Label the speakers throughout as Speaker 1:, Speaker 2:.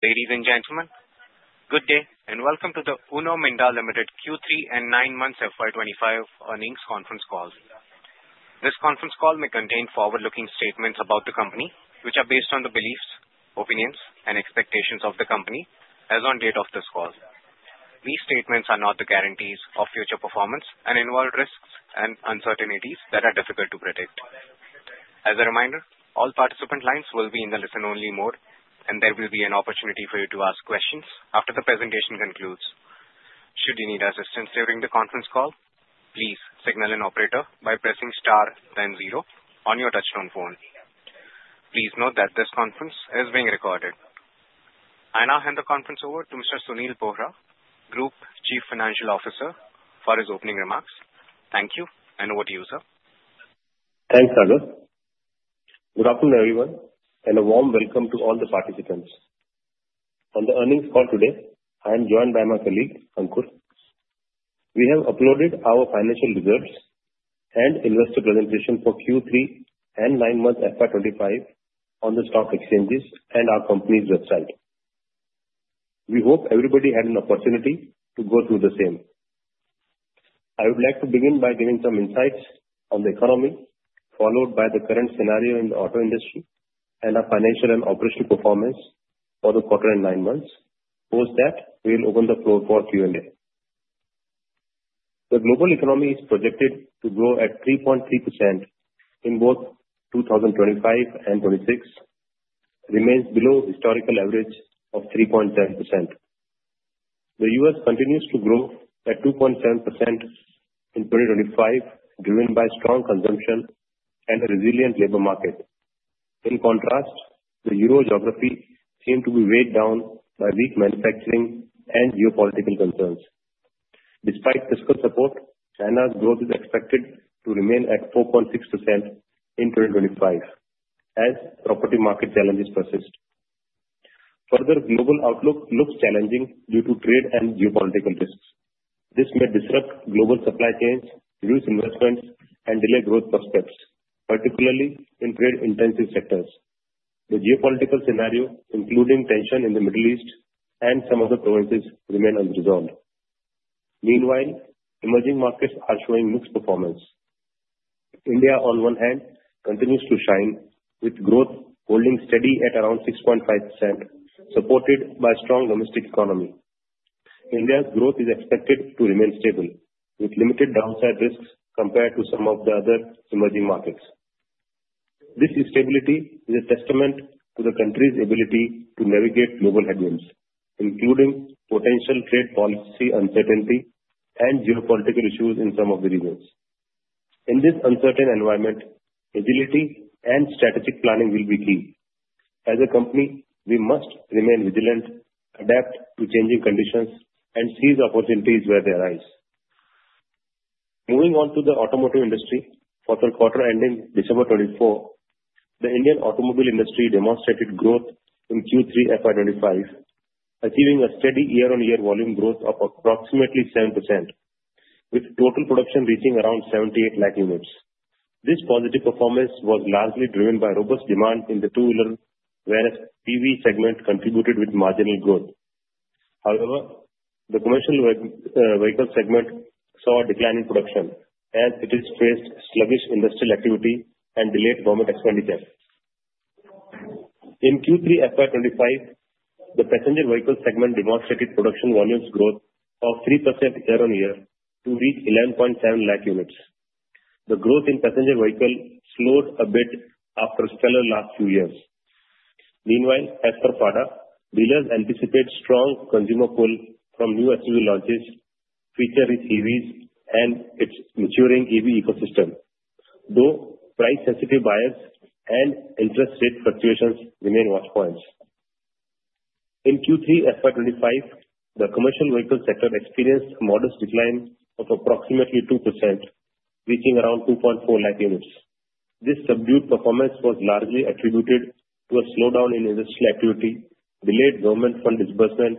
Speaker 1: Ladies and gentlemen, good day and welcome to the Uno Minda Limited Q3 and nine months FY 2025 earnings conference call. This conference call may contain forward-looking statements about the company, which are based on the beliefs, opinions, and expectations of the company as on date of this call. These statements are not the guarantees of future performance and involve risks and uncertainties that are difficult to predict. As a reminder, all participant lines will be in the listen-only mode, and there will be an opportunity for you to ask questions after the presentation concludes. Should you need assistance during the conference call, please signal an operator by pressing star, then zero on your touch-tone phone. Please note that this conference is being recorded. I now hand the conference over to Mr. Sunil Bohra, Group Chief Financial Officer, for his opening remarks. Thank you and over to you, sir.
Speaker 2: Thanks, Anu. Good afternoon, everyone, and a warm welcome to all the participants. On the earnings call today, I am joined by my colleague, Ankur. We have uploaded our financial results and investor presentation for Q3 and nine months FY 2025 on the stock exchanges and our company's website. We hope everybody had an opportunity to go through the same. I would like to begin by giving some insights on the economy, followed by the current scenario in the auto industry and our financial and operational performance for the quarter and nine months, post that we'll open the floor for Q&A. The global economy is projected to grow at 3.3% in both 2025 and 2026. Remains below historical average of 3.7%. The U.S. continues to grow at 2.7% in 2025, driven by strong consumption and a resilient labor market. In contrast, the European geography seemed to be weighed down by weak manufacturing and geopolitical concerns. Despite fiscal support, China's growth is expected to remain at 4.6% in 2025, as property market challenges persist. Further, global outlook looks challenging due to trade and geopolitical risks. This may disrupt global supply chains, reduce investments, and delay growth prospects, particularly in trade-intensive sectors. The geopolitical scenario, including tension in the Middle East and some other provinces, remains unresolved. Meanwhile, emerging markets are showing mixed performance. India, on one hand, continues to shine, with growth holding steady at around 6.5%, supported by a strong domestic economy. India's growth is expected to remain stable, with limited downside risks compared to some of the other emerging markets. This instability is a testament to the country's ability to navigate global headwinds, including potential trade policy uncertainty and geopolitical issues in some of the regions. In this uncertain environment, agility and strategic planning will be key. As a company, we must remain vigilant, adapt to changing conditions, and seize opportunities where they arise. Moving on to the automotive industry, for the quarter ending December 2024, the Indian automobile industry demonstrated growth in Q3 FY 2025, achieving a steady year-on-year volume growth of approximately 7%, with total production reaching around 78 lakh units. This positive performance was largely driven by robust demand in the two-wheeler, whereas PV segment contributed with marginal growth. However, the commercial vehicle segment saw a decline in production, as it has faced sluggish industrial activity and delayed government expenditure. In Q3 FY 2025, the passenger vehicle segment demonstrated production volumes growth of 3% year-on-year to reach 11.7 lakh units. The growth in passenger vehicle slowed a bit after stellar last few years. Meanwhile, as per FADA, dealers anticipate strong consumer pull from new SUV launches, featuring EVs and its maturing EV ecosystem, though price-sensitive buyers and interest rate fluctuations remain watchpoints. In Q3 FY 2025, the commercial vehicle sector experienced a modest decline of approximately 2%, reaching around 2.4 lakh units. This subdued performance was largely attributed to a slowdown in industrial activity, delayed government fund disbursement,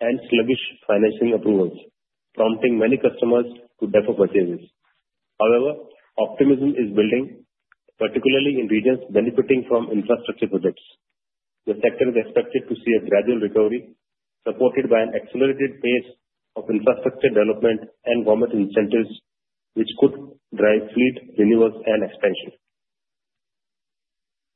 Speaker 2: and sluggish financing approvals, prompting many customers to defer purchases. However, optimism is building, particularly in regions benefiting from infrastructure projects. The sector is expected to see a gradual recovery, supported by an accelerated pace of infrastructure development and government incentives, which could drive fleet renewals and expansion.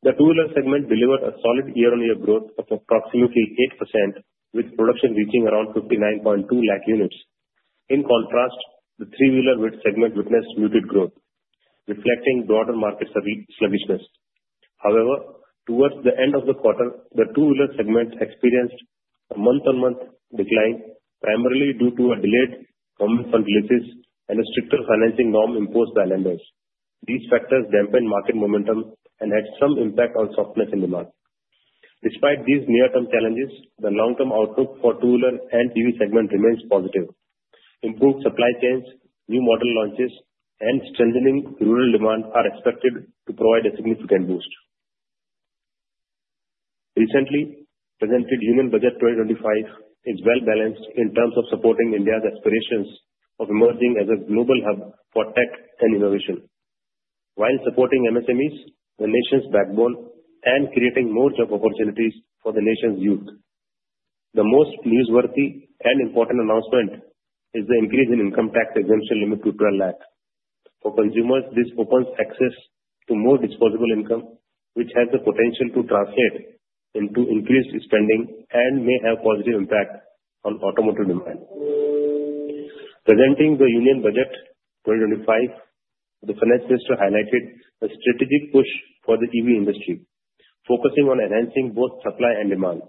Speaker 2: The two-wheeler segment delivered a solid year-on-year growth of approximately 8%, with production reaching around 59.2 lakh units. In contrast, the three-wheeler segment witnessed muted growth, reflecting broader market sluggishness. However, towards the end of the quarter, the two-wheeler segment experienced a month-on-month decline, primarily due to delayed government fund releases and a stricter financing norm imposed by lenders. These factors dampened market momentum and had some impact on softness in demand. Despite these near-term challenges, the long-term outlook for the two-wheeler and EV segment remains positive. Improved supply chains, new model launches, and strengthening rural demand are expected to provide a significant boost. Recently presented Union Budget 2025 is well-balanced in terms of supporting India's aspirations of emerging as a global hub for tech and innovation, while supporting MSMEs, the nation's backbone, and creating more job opportunities for the nation's youth. The most newsworthy and important announcement is the increase in income tax exemption limit to 12 lakh. For consumers, this opens access to more disposable income, which has the potential to translate into increased spending and may have a positive impact on automotive demand. Presenting the Union Budget 2025, the finance minister highlighted a strategic push for the EV industry, focusing on enhancing both supply and demand.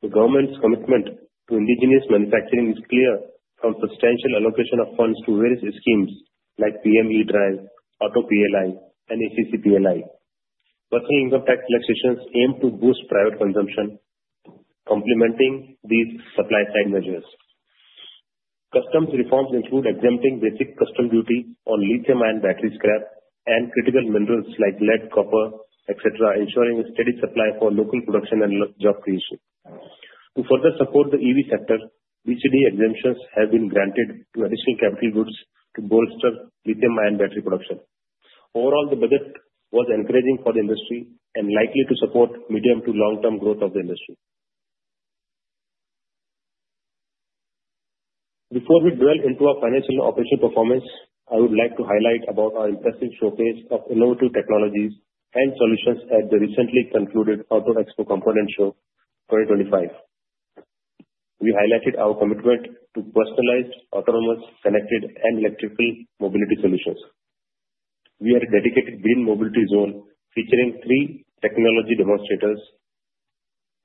Speaker 2: The government's commitment to indigenous manufacturing is clear from substantial allocation of funds to various schemes like PM E-DRIVE, Auto PLI, and ACC PLI. Personal income tax relaxations aim to boost private consumption, complementing these supply-side measures. Customs reforms include exempting basic customs duty on lithium-ion battery scrap and critical minerals like lead, copper, etc., ensuring a steady supply for local production and job creation. To further support the EV sector, BCD exemptions have been granted to additional capital goods to bolster lithium-ion battery production. Overall, the budget was encouraging for the industry and likely to support medium to long-term growth of the industry. Before we dwell into our financial and operational performance, I would like to highlight our impressive showcase of innovative technologies and solutions at the recently concluded Auto Expo Component Show 2025. We highlighted our commitment to personalized, autonomous, connected, and electrical mobility solutions. We had a dedicated green mobility zone, featuring three technology demonstrators: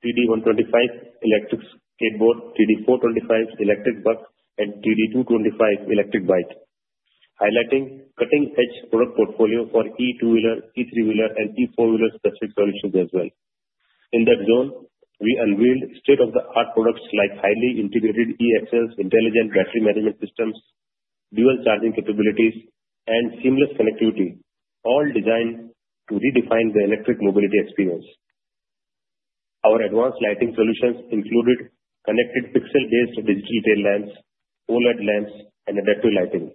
Speaker 2: TD125 electric skateboard, TD425 electric bus, and TD225 electric bike, highlighting cutting-edge product portfolio for E2-wheeler, E3-wheeler, and E4-wheeler specific solutions as well. In that zone, we unveiled state-of-the-art products like highly integrated E-Axles, intelligent battery management systems, dual charging capabilities, and seamless connectivity, all designed to redefine the electric mobility experience. Our advanced lighting solutions included connected pixel-based digital tail lamps, OLED lamps, and adaptive lighting.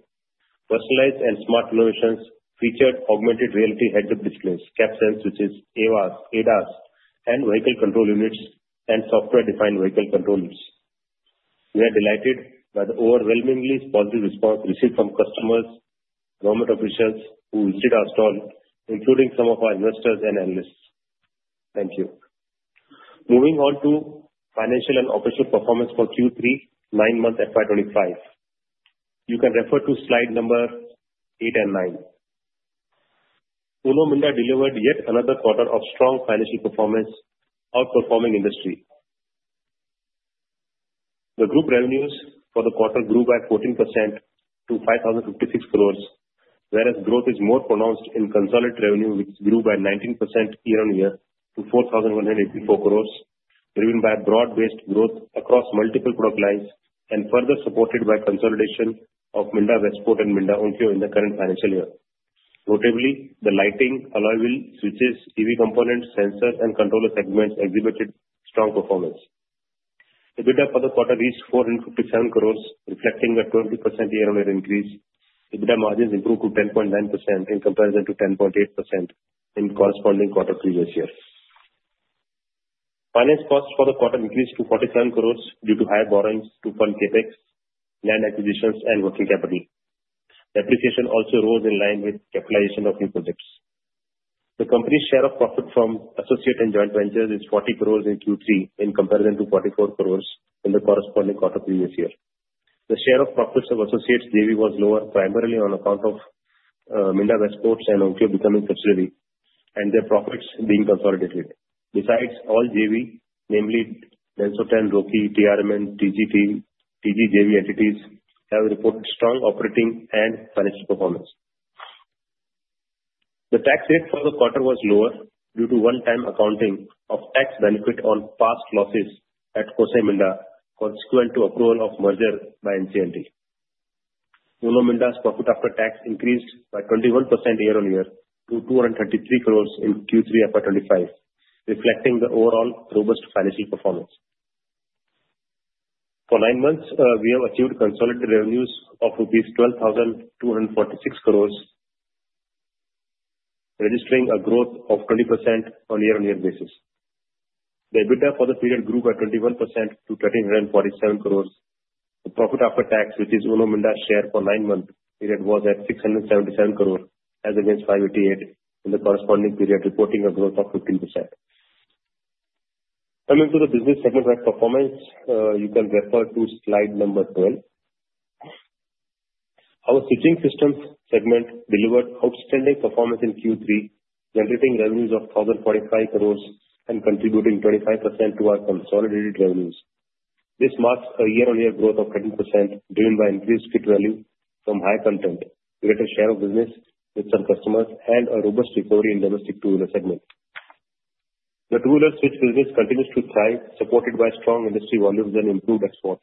Speaker 2: Personalized and smart innovations featured augmented reality heads-up displays, caps and switches, ADAS, and vehicle control units, and software-defined vehicle controllers. We are delighted by the overwhelmingly positive response received from customers, government officials who visited our stall, including some of our investors and analysts. Thank you. Moving on to financial and operational performance for Q3, nine months FY 2025, you can refer to slide number eight and nine. Uno Minda delivered yet another quarter of strong financial performance, outperforming industry. The group revenues for the quarter grew by 14% to 5,056 crores, whereas growth is more pronounced in consolidated revenue, which grew by 19% year-on-year to 4,184 crores, driven by broad-based growth across multiple product lines and further supported by consolidation of Minda Westport and Minda Onkyo in the current financial year. Notably, the lighting, alloy wheels, switches, EV components, sensors, and controller segments exhibited strong performance. EBITDA for the quarter reached 457 crores, reflecting a 20% year-on-year increase. EBITDA margins improved to 10.9% in comparison to 10.8% in corresponding quarter previous year. Finance costs for the quarter increased to 47 crores due to higher borrowings to fund CapEx, land acquisitions, and working capital. Depreciation also rose in line with capitalization of new projects. The company's share of profit from associate and joint ventures is 40 crores in Q3 in comparison to 44 crores in the corresponding quarter previous year. The share of profits of associates JV was lower, primarily on account of Minda Westport and Minda Onkyo becoming subsidiary and their profits being consolidated. Besides, all JV, namely Denso Ten, Roki, TRMN, TGJV entities, have reported strong operating and financial performance. The tax rate for the quarter was lower due to one-time accounting of tax benefit on past losses at Kosei Minda consequent to approval of merger by NCLT. Uno Minda's profit after tax increased by 21% year-on-year to 233 crores in Q3 FY 2025, reflecting the overall robust financial performance. For nine months, we have achieved consolidated revenues of rupees 12,246 crores, registering a growth of 20% on a year-on-year basis. The EBITDA for the period grew by 21% to 1,347 crores. The profit after tax, which is Uno Minda's share for nine months, was at 677 crores, as against 588 crores in the corresponding period, reporting a growth of 15%. Coming to the business segment performance, you can refer to slide number 12. Our switching systems segment delivered outstanding performance in Q3, generating revenues of 1,045 crores and contributing 25% to our consolidated revenues. This marks a year-on-year growth of 13%, driven by increased kit value from high content, greater share of business with some customers, and a robust recovery in domestic two-wheeler segment. The two-wheeler switch business continues to thrive, supported by strong industry volumes and improved exports.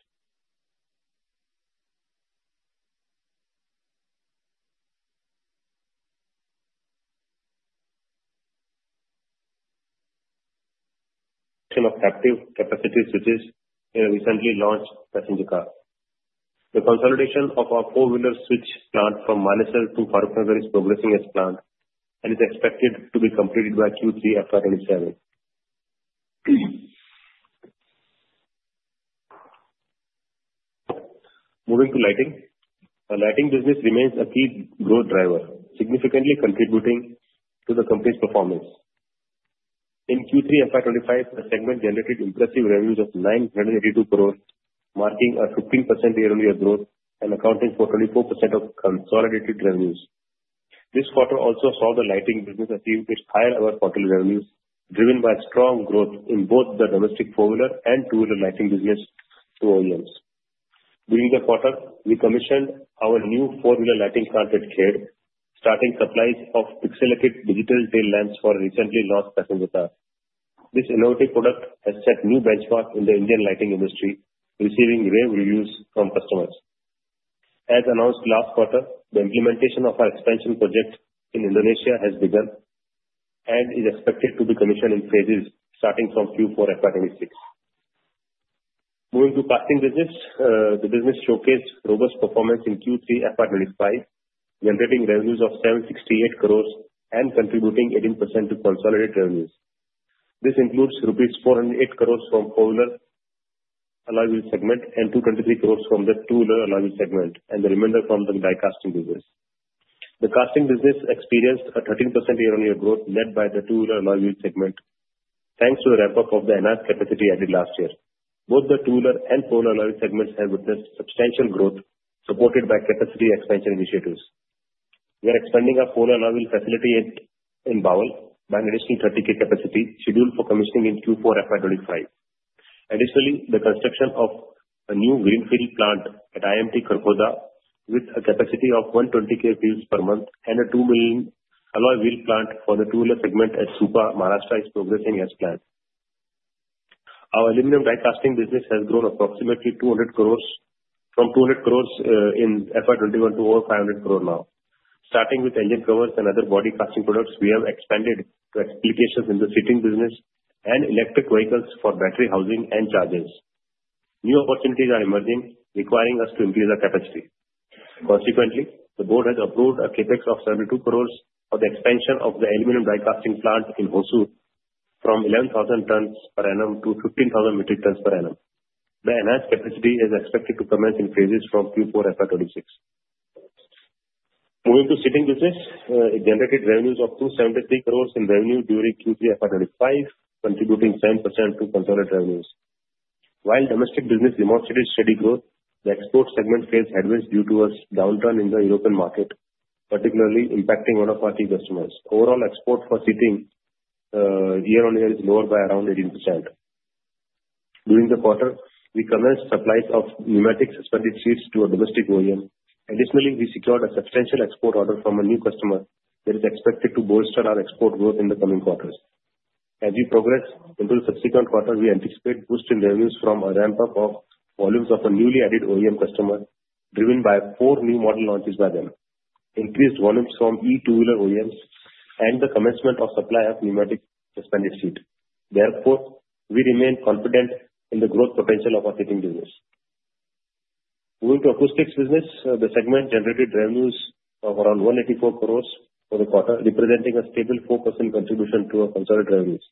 Speaker 2: Of haptic capacitive switches in a recently launched passenger car. The consolidation of our four-wheeler switch plant from Manesar to Farrukhnagar is progressing as planned and is expected to be completed by Q3 FY 2027. Moving to lighting, the lighting business remains a key growth driver, significantly contributing to the company's performance. In Q3 FY 2025, the segment generated impressive revenues of 982 crores, marking a 15% year-on-year growth and accounting for 24% of consolidated revenues. This quarter also saw the lighting business achieve its highest-ever quarterly revenues, driven by strong growth in both the domestic four-wheeler and two-wheeler lighting business to OEMs. During the quarter, we commissioned our new four-wheeler lighting plant at Khed, starting supplies of pixelated digital tail lamps for recently launched passenger cars. This innovative product has set new benchmarks in the Indian lighting industry, receiving rave reviews from customers. As announced last quarter, the implementation of our expansion project in Indonesia has begun and is expected to be commissioned in phases starting from Q4 FY 2026. Moving to casting business, the business showcased robust performance in Q3 FY 2025, generating revenues of 768 crores and contributing 18% to consolidated revenues. This includes rupees 408 crores from four-wheeler alloy wheel segment and 223 crores from the two-wheeler alloy wheel segment, and the remainder from the die casting business. The casting business experienced a 13% year-on-year growth led by the two-wheeler alloy wheel segment, thanks to the ramp-up of the enhanced capacity added last year. Both the two-wheeler and four-wheeler alloy segments have witnessed substantial growth, supported by capacity expansion initiatives. We are expanding our four-wheeler alloy wheel facility in Bawal by an additional 30,000 capacity scheduled for commissioning in Q4 FY 2025. Additionally, the construction of a new greenfield plant at IMT Kharkhoda, with a capacity of 120,000 wheels per month, and a 2 million alloy wheel plant for the two-wheeler segment at Supa, Maharashtra, is progressing as planned. Our aluminum die casting business has grown approximately 200 crore from 200 crore in FY 2021 to over 500 crore now. Starting with engine covers and other body casting products, we have expanded to applications in the seating business and electric vehicles for battery housing and chargers. New opportunities are emerging, requiring us to increase our capacity. Consequently, the board has approved a CapEx of 72 crore for the expansion of the aluminum die casting plant in Hosur from 11,000 tons per annum to 15,000 metric tons per annum. The enhanced capacity is expected to commence in phases from Q4 FY 2026. Moving to seating business, it generated revenues of 273 crore in revenue during Q3 FY 2025, contributing 7% to consolidated revenues. While domestic business demonstrated steady growth, the export segment faced headwinds due to a downturn in the European market, particularly impacting one of our key customers. Overall, export for seating year-on-year is lower by around 18%. During the quarter, we commenced supplies of pneumatic suspended seats to a domestic OEM. Additionally, we secured a substantial export order from a new customer that is expected to bolster our export growth in the coming quarters. As we progress into the subsequent quarter, we anticipate boost in revenues from a ramp-up of volumes of a newly added OEM customer, driven by four new model launches by them, increased volumes from E2-wheeler OEMs, and the commencement of supply of pneumatic suspended seats. Therefore, we remain confident in the growth potential of our seating business. Moving to acoustics business, the segment generated revenues of around 184 crores for the quarter, representing a stable 4% contribution to our consolidated revenues.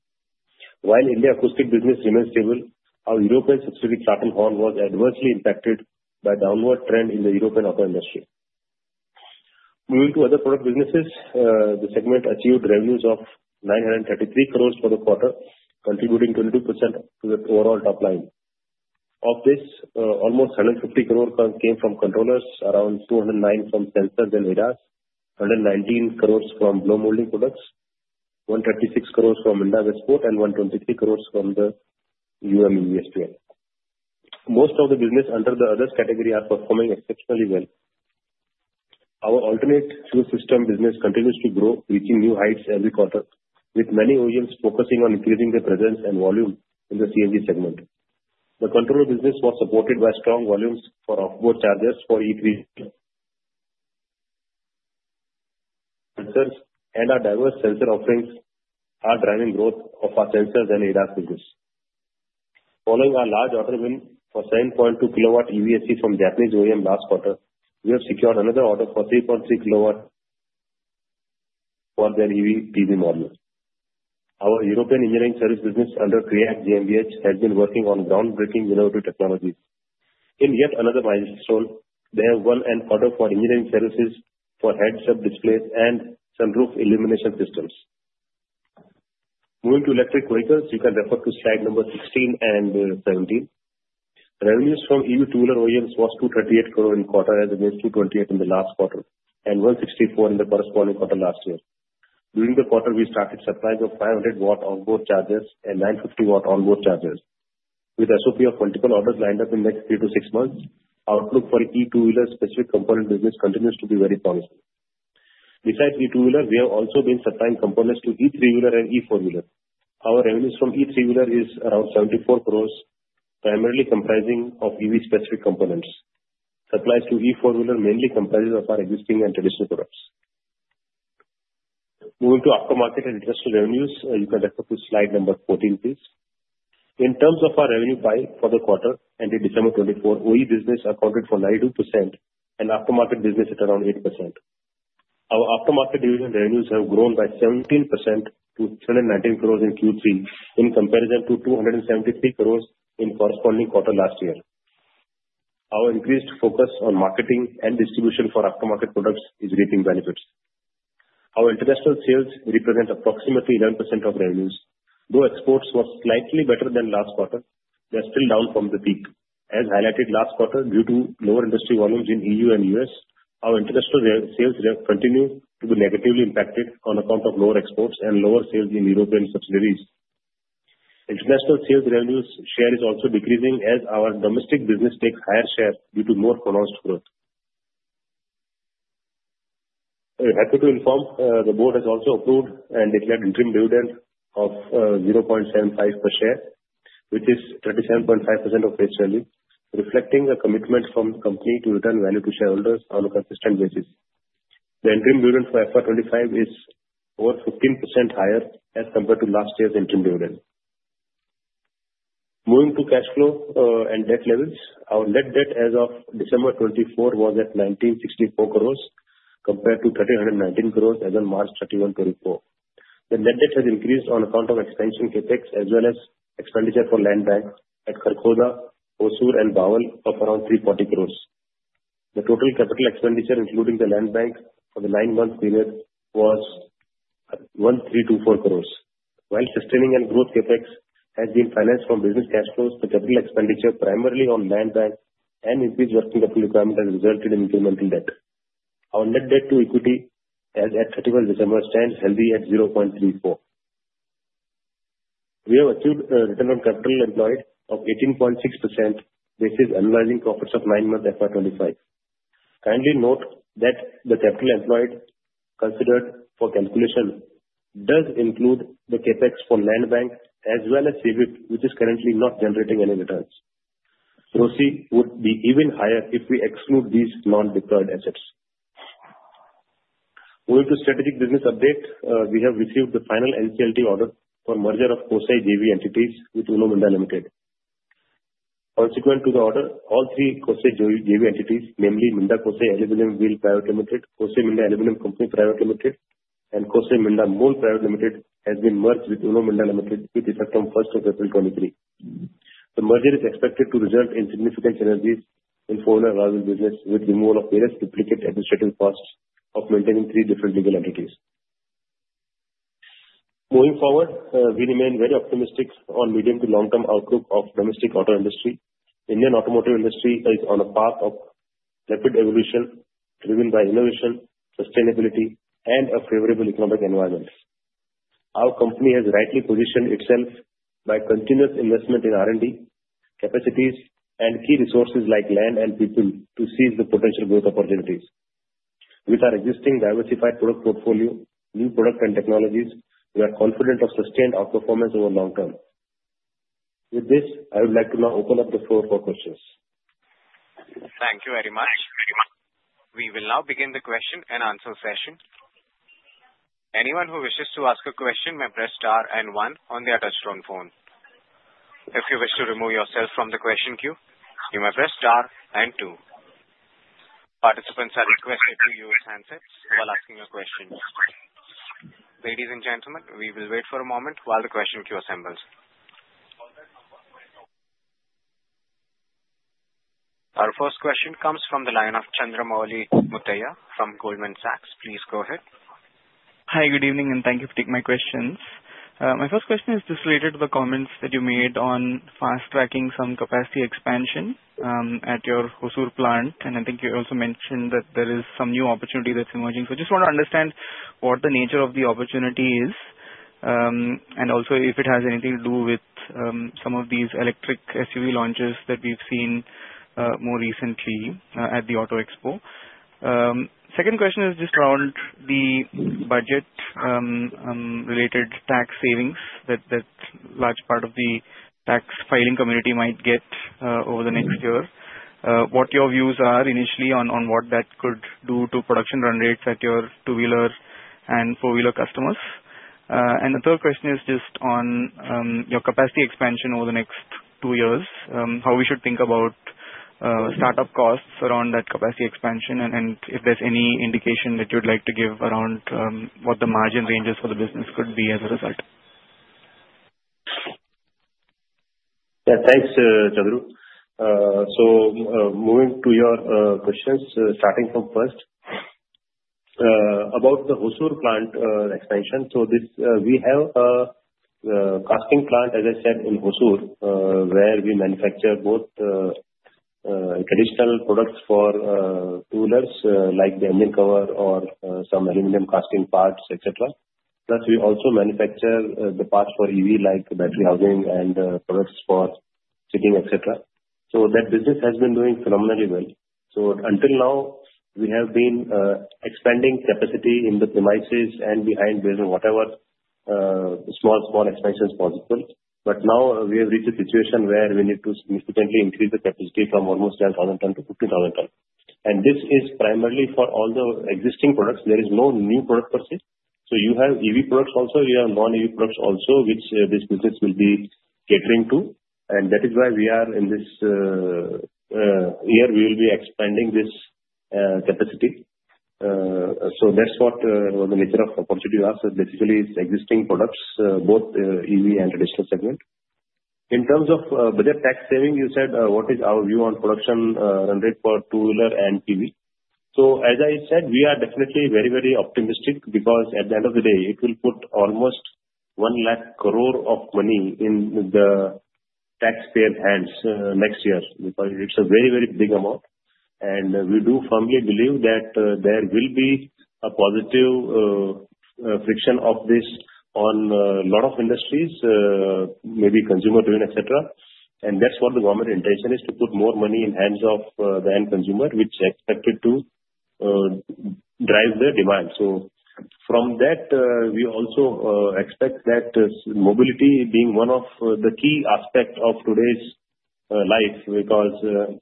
Speaker 2: While India's acoustic business remained stable, our European subsidiary Clarton Horn was adversely impacted by a downward trend in the European auto industry. Moving to other product businesses, the segment achieved revenues of 933 crores for the quarter, contributing 22% to the overall top line. Of this, almost 150 crores came from controllers, around 209 from sensors and ADAS, 119 crores from blow molding products, 136 crores from Minda Westport, and 123 crores from the EVSE. Most of the business under the others category are performing exceptionally well. Our alternate fuel system business continues to grow, reaching new heights every quarter, with many OEMs focusing on increasing their presence and volume in the CNG segment. The controller business was supported by strong volumes for off-board chargers for E3. Sensors and our diverse sensor offerings are driving growth of our sensors and ADAS business. Following our large order win for 7.2 kW EVSE from Japanese OEM last quarter, we have secured another order for 3.3 kW for their EV PV module. Our European engineering service business under CREAT GmbH has been working on groundbreaking innovative technologies. In yet another milestone, they have won an order for engineering services for heads-up displays and sunroof illumination systems. Moving to electric vehicles, you can refer to slide number 16 and 17. Revenues from EV two-wheeler OEMs was 238 crores in quarter as against 228 in the last quarter and 164 in the corresponding quarter last year. During the quarter, we started supplies of 500 W onboard chargers and 950 W onboard chargers. With the SOP of multiple orders lined up in the next three to six months, our outlook for E2-wheeler specific component business continues to be very promising. Besides E2-wheeler, we have also been supplying components to E3-wheeler and E4-wheeler. Our revenues from E3-wheeler is around 74 crores, primarily comprising of EV specific components. Supplies to E4-wheeler mainly comprises of our existing and traditional products. Moving to after-market and industrial revenues, you can refer to slide number 14, please. In terms of our revenue breakup for the quarter ended December 2024, OE business accounted for 92% and after-market business at around 8%. Our after-market division revenues have grown by 17% to 319 crores in Q3 in comparison to 273 crores in corresponding quarter last year. Our increased focus on marketing and distribution for after-market products is reaping benefits. Our international sales represent approximately 11% of revenues. Though exports were slightly better than last quarter, they are still down from the peak. As highlighted last quarter, due to lower industry volumes in E.U. and U.S., our international sales continue to be negatively impacted on account of lower exports and lower sales in European subsidiaries. International sales revenue share is also decreasing as our domestic business takes higher share due to more pronounced growth. Happy to inform, the board has also approved and declared interim dividend of 0.75 per share, which is 37.5% of face value, reflecting a commitment from the company to return value to shareholders on a consistent basis. The interim dividend for FY 2025 is over 15% higher as compared to last year's interim dividend. Moving to cash flow and debt levels, our net debt as of December 2024 was at 1,964 crores compared to 1,319 crores as of March 31, 2024. The net debt has increased on account of expansion CapEx as well as expenditure for Land Bank at Kharkhoda, Hosur, and Bawal of around 340 crores. The total capital expenditure, including the Land Bank for the nine-month period, was 1,324 crores. While sustaining and growth CapEx has been financed from business cash flows, the capital expenditure primarily on Land Bank and increased working capital requirement has resulted in incremental debt. Our net debt to equity as at 31 December stands healthy at 0.34. We have achieved a return on capital employed of 18.6% basis annualizing profits of nine months FY 2025. Kindly note that the capital employed considered for calculation does include the CapEx for Land Bank as well as CWIP, which is currently not generating any returns. ROCE would be even higher if we exclude these non-earning assets. Moving to strategic business update, we have received the final NCLT order for merger of Kosei JV entities with Uno Minda Limited. Consequent to the order, all three Kosei JV entities, namely Minda Kosei Aluminum Wheel Private Limited, Kosei Minda Aluminum Company Private Limited, and Kosei Minda Mold Private Limited, have been merged with Uno Minda Limited with effect from 1st of April 2023. The merger is expected to result in significant synergies in four-wheeler alloy wheel business with removal of various duplicate administrative costs of maintaining three different legal entities. Moving forward, we remain very optimistic on medium to long-term outlook of domestic auto industry. Indian automotive industry is on a path of rapid evolution driven by innovation, sustainability, and a favorable economic environment. Our company has rightly positioned itself by continuous investment in R&D, capacities, and key resources like land and people to seize the potential growth opportunities. With our existing diversified product portfolio, new product, and technologies, we are confident of sustained outperformance over the long term. With this, I would like to now open up the floor for questions.
Speaker 1: Thank you very much. We will now begin the question and answer session. Anyone who wishes to ask a question may press star and one on their touch-tone phone. If you wish to remove yourself from the question queue, you may press star and two. Participants are requested to use handsets while asking a question. Ladies and gentlemen, we will wait for a moment while the question queue assembles. Our first question comes from the line of Chandramouli Muthiah from Goldman Sachs. Please go ahead.
Speaker 3: Hi, good evening, and thank you for taking my questions. My first question is related to the comments that you made on fast-tracking some capacity expansion at your Hosur plant. And I think you also mentioned that there is some new opportunity that's emerging. So I just want to understand what the nature of the opportunity is and also if it has anything to do with some of these electric SUV launches that we've seen more recently at the Auto Expo. Second question is just around the budget-related tax savings that a large part of the tax filing community might get over the next year. What your views are initially on what that could do to production run rates at your two-wheeler and four-wheeler customers? And the third question is just on your capacity expansion over the next two years, how we should think about startup costs around that capacity expansion, and if there's any indication that you'd like to give around what the margin ranges for the business could be as a result.
Speaker 2: Yeah, thanks, Chandramouli. So moving to your questions, starting from first about the Hosur plant expansion. So we have a casting plant, as I said, in Hosur, where we manufacture both traditional products for two-wheelers like the engine cover or some aluminum casting parts, etc. Plus, we also manufacture the parts for EV like battery housing and products for seating, etc. So that business has been doing phenomenally well. So until now, we have been expanding capacity in the premises and behind whatever small, small expansions possible. But now we have reached a situation where we need to significantly increase the capacity from almost 10,000 tons to 15,000 tons. And this is primarily for all the existing products. There is no new product purchase. So you have EV products also. You have non-EV products also, which this business will be catering to. And that is why we are in this year, we will be expanding this capacity. So that's what the nature of the opportunity was. Basically, it's existing products, both EV and traditional segment. In terms of budget tax saving, you said what is our view on production run rate for two-wheeler and EV? So as I said, we are definitely very, very optimistic because at the end of the day, it will put almost 1 lakh crore of money in the taxpayer's hands next year. It's a very, very big amount. And we do firmly believe that there will be a positive friction of this on a lot of industries, maybe consumer driven, etc. And that's what the government intention is to put more money in the hands of the end consumer, which is expected to drive the demand. So from that, we also expect that mobility being one of the key aspects of today's life because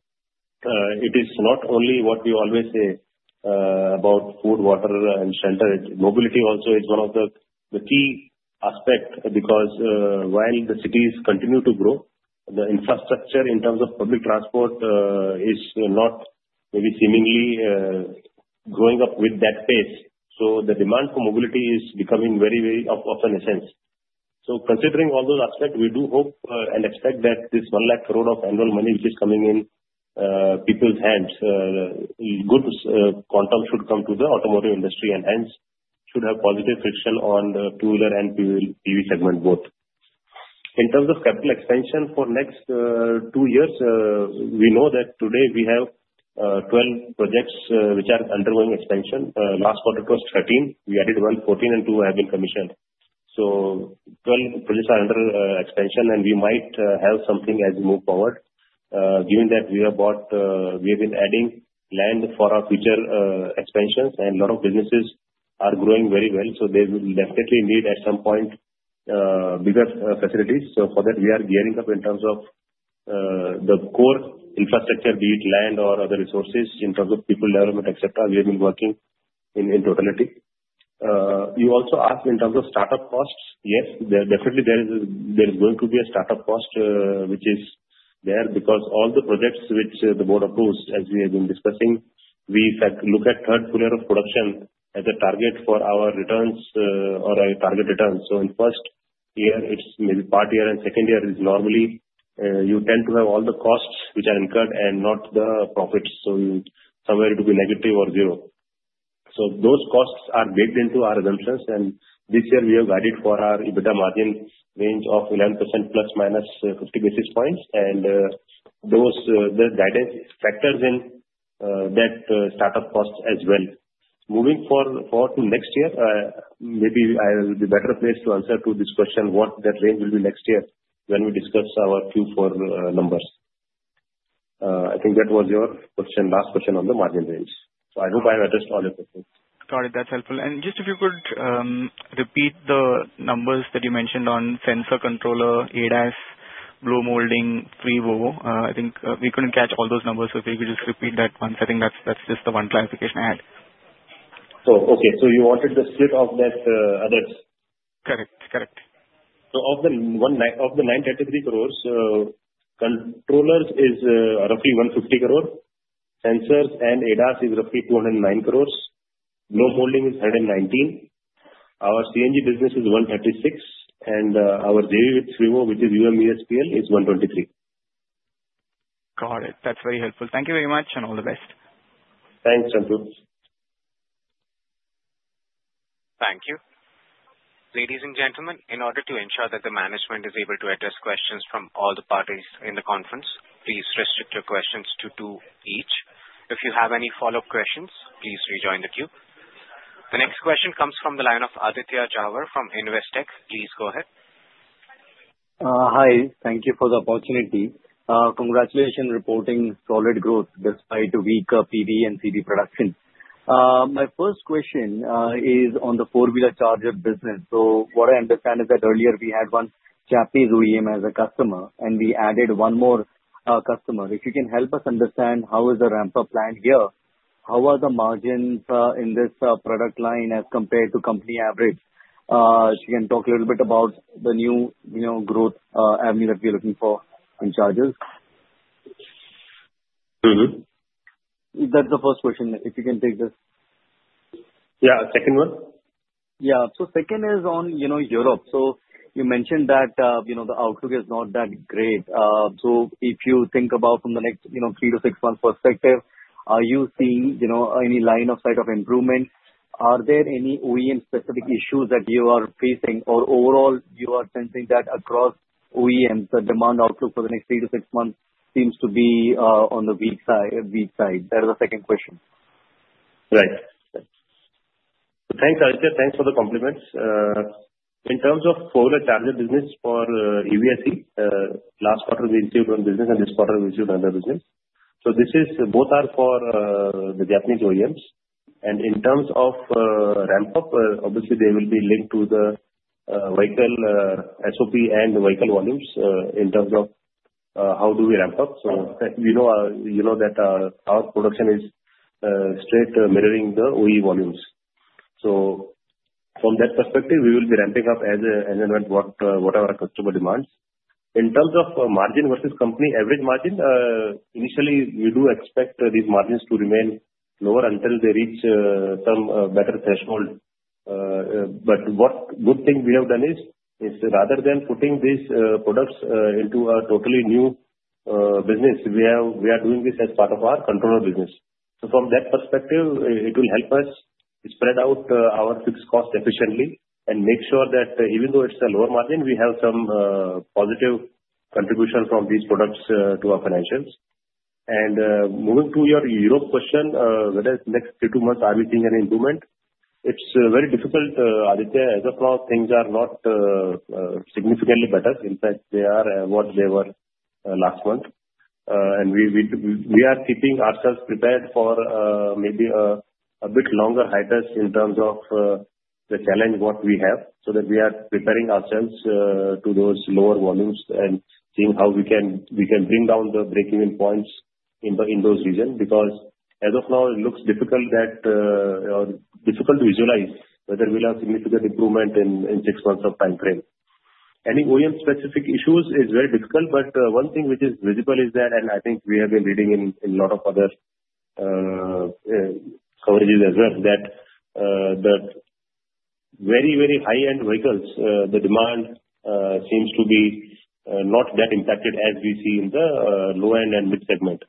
Speaker 2: it is not only what we always say about food, water, and shelter. Mobility also is one of the key aspects because while the cities continue to grow, the infrastructure in terms of public transport is not maybe seemingly growing up with that pace. So the demand for mobility is becoming very, very of an essence. So considering all those aspects, we do hope and expect that this one lakh crore of annual money which is coming in people's hands, good quantum should come to the automotive industry and hence should have positive friction on the two-wheeler and EV segment both. In terms of capital expansion for next two years, we know that today we have 12 projects which are undergoing expansion. Last quarter it was 13. We added 14, and two have been commissioned. So 12 projects are under expansion, and we might have something as we move forward. Given that we have bought, we have been adding land for our future expansions, and a lot of businesses are growing very well. So they will definitely need at some point bigger facilities. So for that, we are gearing up in terms of the core infrastructure, be it land or other resources in terms of people development, etc. We have been working in totality. You also asked in terms of startup costs. Yes, definitely there is going to be a startup cost which is there because all the projects which the board approves, as we have been discussing, we look at third full year of production as a target for our returns or our target returns. So in first year, it's maybe part year, and second year is normally you tend to have all the costs which are incurred and not the profits. So somewhere it would be negative or zero. So those costs are baked into our assumptions. And this year, we have guided for our EBITDA margin range of 11%± 50 basis points. And those guidance factors in that startup cost as well. Moving forward to next year, maybe I will be better placed to answer to this question, what that range will be next year when we discuss our Q4 numbers. I think that was your question, last question on the margin range. So I hope I have addressed all your questions.
Speaker 3: Got it. That's helpful. And just if you could repeat the numbers that you mentioned on sensor controller, ADAS, blow molding, FRIWO. I think we couldn't catch all those numbers. So if you could just repeat that once. I think that's just the one clarification I had.
Speaker 2: Oh, okay. So you wanted the split of that?
Speaker 3: Correct. Correct.
Speaker 2: So of the 933 crores, controllers is roughly 150 crore. Sensors and ADAS is roughly 209 crores. Blow molding is 119. Our CNG business is 136. Our JV with FRIWO, which is UMEVSPL, is 123.
Speaker 3: Got it. That's very helpful. Thank you very much and all the best.
Speaker 2: Thanks, Chandramouli.
Speaker 1: Thank you. Ladies and gentlemen, in order to ensure that the management is able to address questions from all the parties in the conference, please restrict your questions to two each. If you have any follow-up questions, please rejoin the queue. The next question comes from the line of Aditya Jhawar from Investec. Please go ahead.
Speaker 4: Hi. Thank you for the opportunity. Congratulations on reporting solid growth despite weaker PV and CV production. My first question is on the four-wheeler charger business. So what I understand is that earlier we had one Japanese OEM as a customer, and we added one more customer. If you can help us understand how is the ramp-up planned here, how are the margins in this product line as compared to company average? If you can talk a little bit about the new growth avenue that we're looking for in chargers. That's the first question. If you can take this.
Speaker 2: Yeah. Second one?
Speaker 4: Yeah. So second is on Europe. So you mentioned that the outlook is not that great. So if you think about from the next three to six months' perspective, are you seeing any line of sight of improvement? Are there any OEM-specific issues that you are facing? Or overall, you are sensing that across OEMs, the demand outlook for the next three to six months seems to be on the weak side. That is the second question.
Speaker 2: Right. So thanks, Aditya. Thanks for the compliments. In terms of four-wheeler charger business for EVSE, last quarter we issued one business, and this quarter we issued another business, so both are for the Japanese OEMs, and in terms of ramp-up, obviously they will be linked to the vehicle SOP and vehicle volumes in terms of how do we ramp up, so you know that our production is straight mirroring the OE volumes, so from that perspective, we will be ramping up as whatever our customer demands. In terms of margin versus company average margin, initially we do expect these margins to remain lower until they reach some better threshold, but what good thing we have done is rather than putting these products into a totally new business, we are doing this as part of our controller business. So from that perspective, it will help us spread out our fixed cost efficiently and make sure that even though it's a lower margin, we have some positive contribution from these products to our financials. And moving to your Europe question, whether next two months are we seeing any improvement? It's very difficult, Aditya. As of now, things are not significantly better. In fact, they are what they were last month. And we are keeping ourselves prepared for maybe a bit longer hiatus in terms of the challenge what we have. So that we are preparing ourselves to those lower volumes and seeing how we can bring down the break-even points in those regions. Because as of now, it looks difficult or difficult to visualize whether we'll have significant improvement in six months' timeframe. Any OEM-specific issues is very difficult. But one thing which is visible is that, and I think we have been reading in a lot of other coverages as well, that very, very high-end vehicles, the demand seems to be not that impacted as we see in the low-end and mid-segment.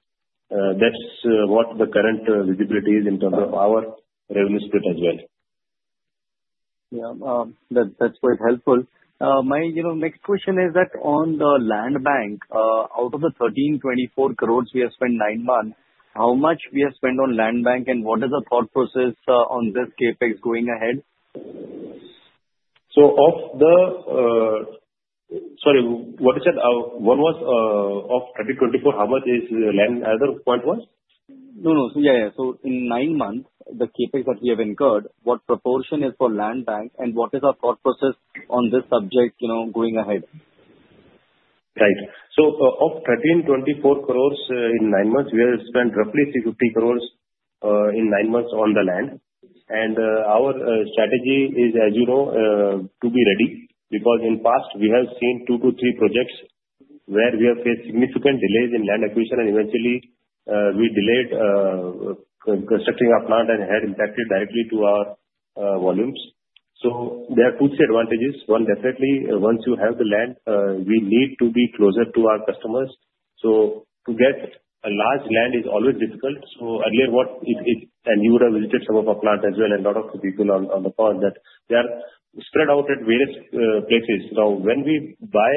Speaker 2: That's what the current visibility is in terms of our revenue split as well.
Speaker 4: Yeah. That's quite helpful. My next question is that on the land bank, out of the 1,324 crores we have spent in nine months, how much we have spent on land bank, and what is the thought process on this CapEx going ahead? So in nine months, the CapEx that we have incurred, what proportion is for land bank, and what is our thought process on this subject going ahead?
Speaker 2: Right. So of 1,324 crores in nine months, we have spent roughly 350 crores in nine months on the land, and our strategy is, as you know, to be ready, because in the past, we have seen two to three projects where we have faced significant delays in land acquisition, and eventually we delayed constructing our plant and had impacted directly to our volumes, so there are two advantages. One, definitely, once you have the land, we need to be closer to our customers, so to get a large land is always difficult, so earlier, what if and you would have visited some of our plant as well, and a lot of people on the call, that they are spread out at various places. Now, when we buy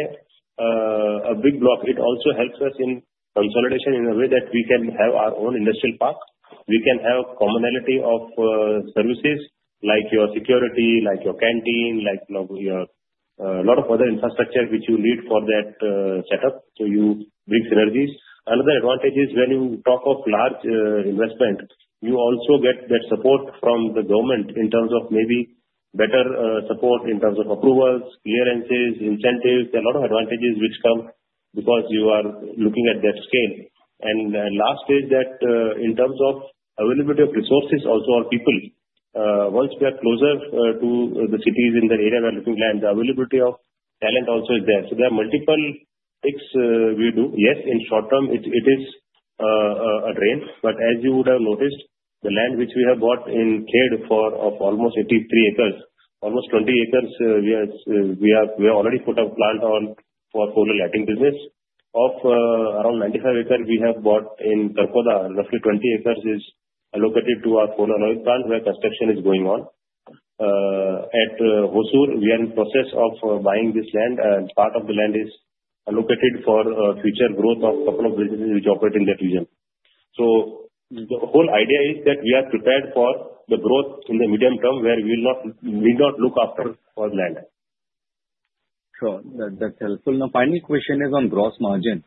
Speaker 2: a big block, it also helps us in consolidation in a way that we can have our own industrial park. We can have a commonality of services like your security, like your canteen, like a lot of other infrastructure which you need for that setup. So you bring synergies. Another advantage is when you talk of large investment, you also get that support from the government in terms of maybe better support in terms of approvals, clearances, incentives. There are a lot of advantages which come because you are looking at that scale. And last is that in terms of availability of resources, also our people, once we are closer to the cities in the area we are looking at, the availability of talent also is there. So there are multiple things we do. Yes, in short term, it is a drain. But as you would have noticed, the land which we have bought in Khed for almost 83 acres, almost 20 acres, we have already put our plant on for a four-wheeler lighting business. Of around 95 acres, we have bought in Kharkhoda, roughly 20 acres is allocated to our four-wheeler plant where construction is going on. At Hosur, we are in the process of buying this land, and part of the land is allocated for future growth of a couple of businesses which operate in that region. So the whole idea is that we are prepared for the growth in the medium term where we will not look after for land.
Speaker 4: Sure. That's helpful. Now, final question is on gross margin.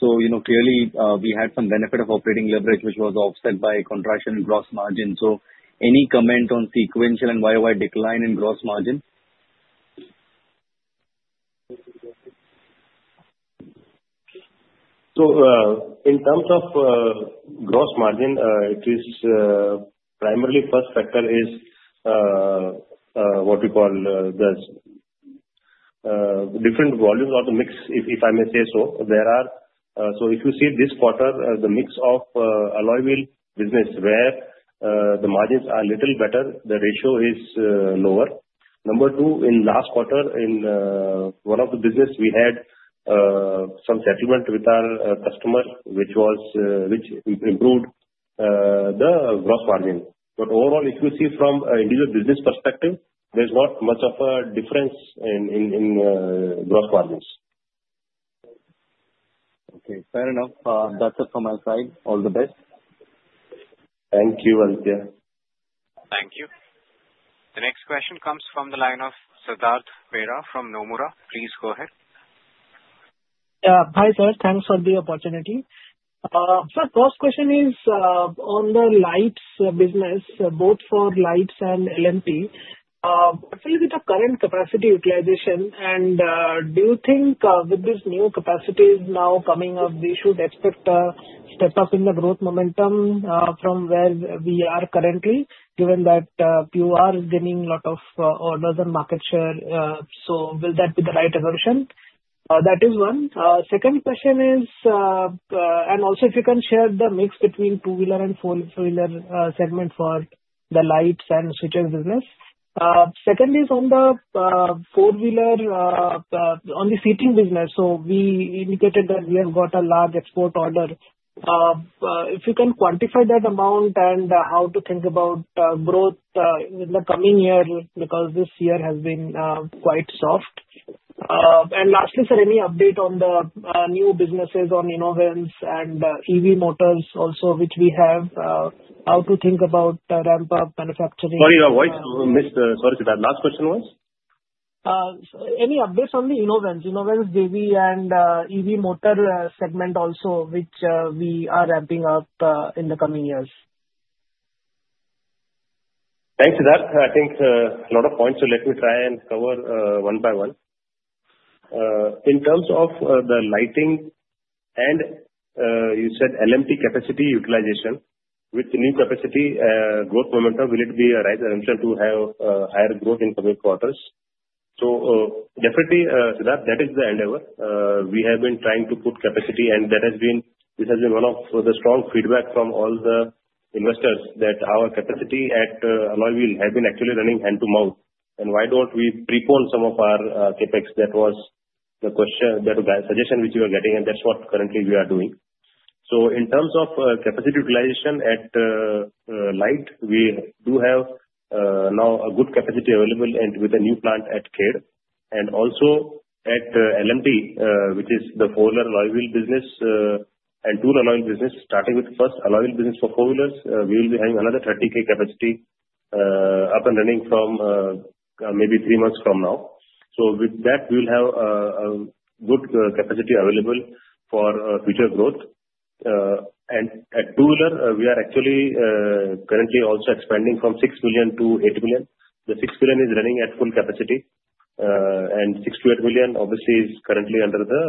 Speaker 4: So clearly, we had some benefit of operating leverage, which was offset by contraction in gross margin. So any comment on sequential and YOY decline in gross margin?
Speaker 2: So in terms of gross margin, it is primarily first factor is what we call the different volumes or the mix, if I may say so. So if you see this quarter, the mix of alloy wheel business, where the margins are a little better, the ratio is lower. Number two, in last quarter, in one of the businesses, we had some settlement with our customer, which improved the gross margin. But overall, if you see from an individual business perspective, there's not much of a difference in gross margins.
Speaker 4: Okay. Fair enough. That's it from my side. All the best.
Speaker 2: Thank you, Aditya.
Speaker 1: Thank you. The next question comes from the line of Siddhartha Bera from Nomura. Please go ahead.
Speaker 5: Hi, sir. Thanks for the opportunity. So our first question is on the lights business, both for lights and LMP. What will be the current capacity utilization? Do you think with these new capacities now coming up, we should expect a step-up in the growth momentum from where we are currently, given that PUR is gaining a lot of orders and market share? So will that be the right evolution? That is one. Second question is, and also if you can share the mix between two-wheeler and four-wheeler segment for the lights and switches business. Second is on the four-wheeler, on the seating business. So we indicated that we have got a large export order. If you can quantify that amount and how to think about growth in the coming year because this year has been quite soft. And lastly, sir, any update on the new businesses on Inovance and EV Motors also, which we have? How to think about ramp-up manufacturing?
Speaker 2: Sorry, what? Sorry, Siddhartha. Last question was?
Speaker 5: Any updates on the Inovance JV and EV motor segment also, which we are ramping up in the coming years?
Speaker 2: Thanks, Siddhartha. I think a lot of points. So let me try and cover one by one. In terms of the lighting and, you said, LMP capacity utilization, with the new capacity, growth momentum, will it be a rise and return to have higher growth in coming quarters? So definitely, Siddhartha, that is the endeavor. We have been trying to put capacity, and this has been one of the strong feedback from all the investors that our capacity at alloy wheel has been actually running hand-to-mouth. And why don't we prepone some of our CapEx? That was the suggestion which we were getting, and that's what currently we are doing. In terms of capacity utilization at lighting, we do have now a good capacity available with a new plant at Khed. Also at LMP, which is the four-wheeler alloy wheel business and two-wheeler alloy wheel business, starting with first alloy wheel business for four-wheelers, we will be having another 30,000 capacity up and running from maybe three months from now. With that, we will have a good capacity available for future growth. At two-wheeler, we are actually currently also expanding from 6 million to 8 million. The 6 million is running at full capacity. 6 to 8 million, obviously, is currently under the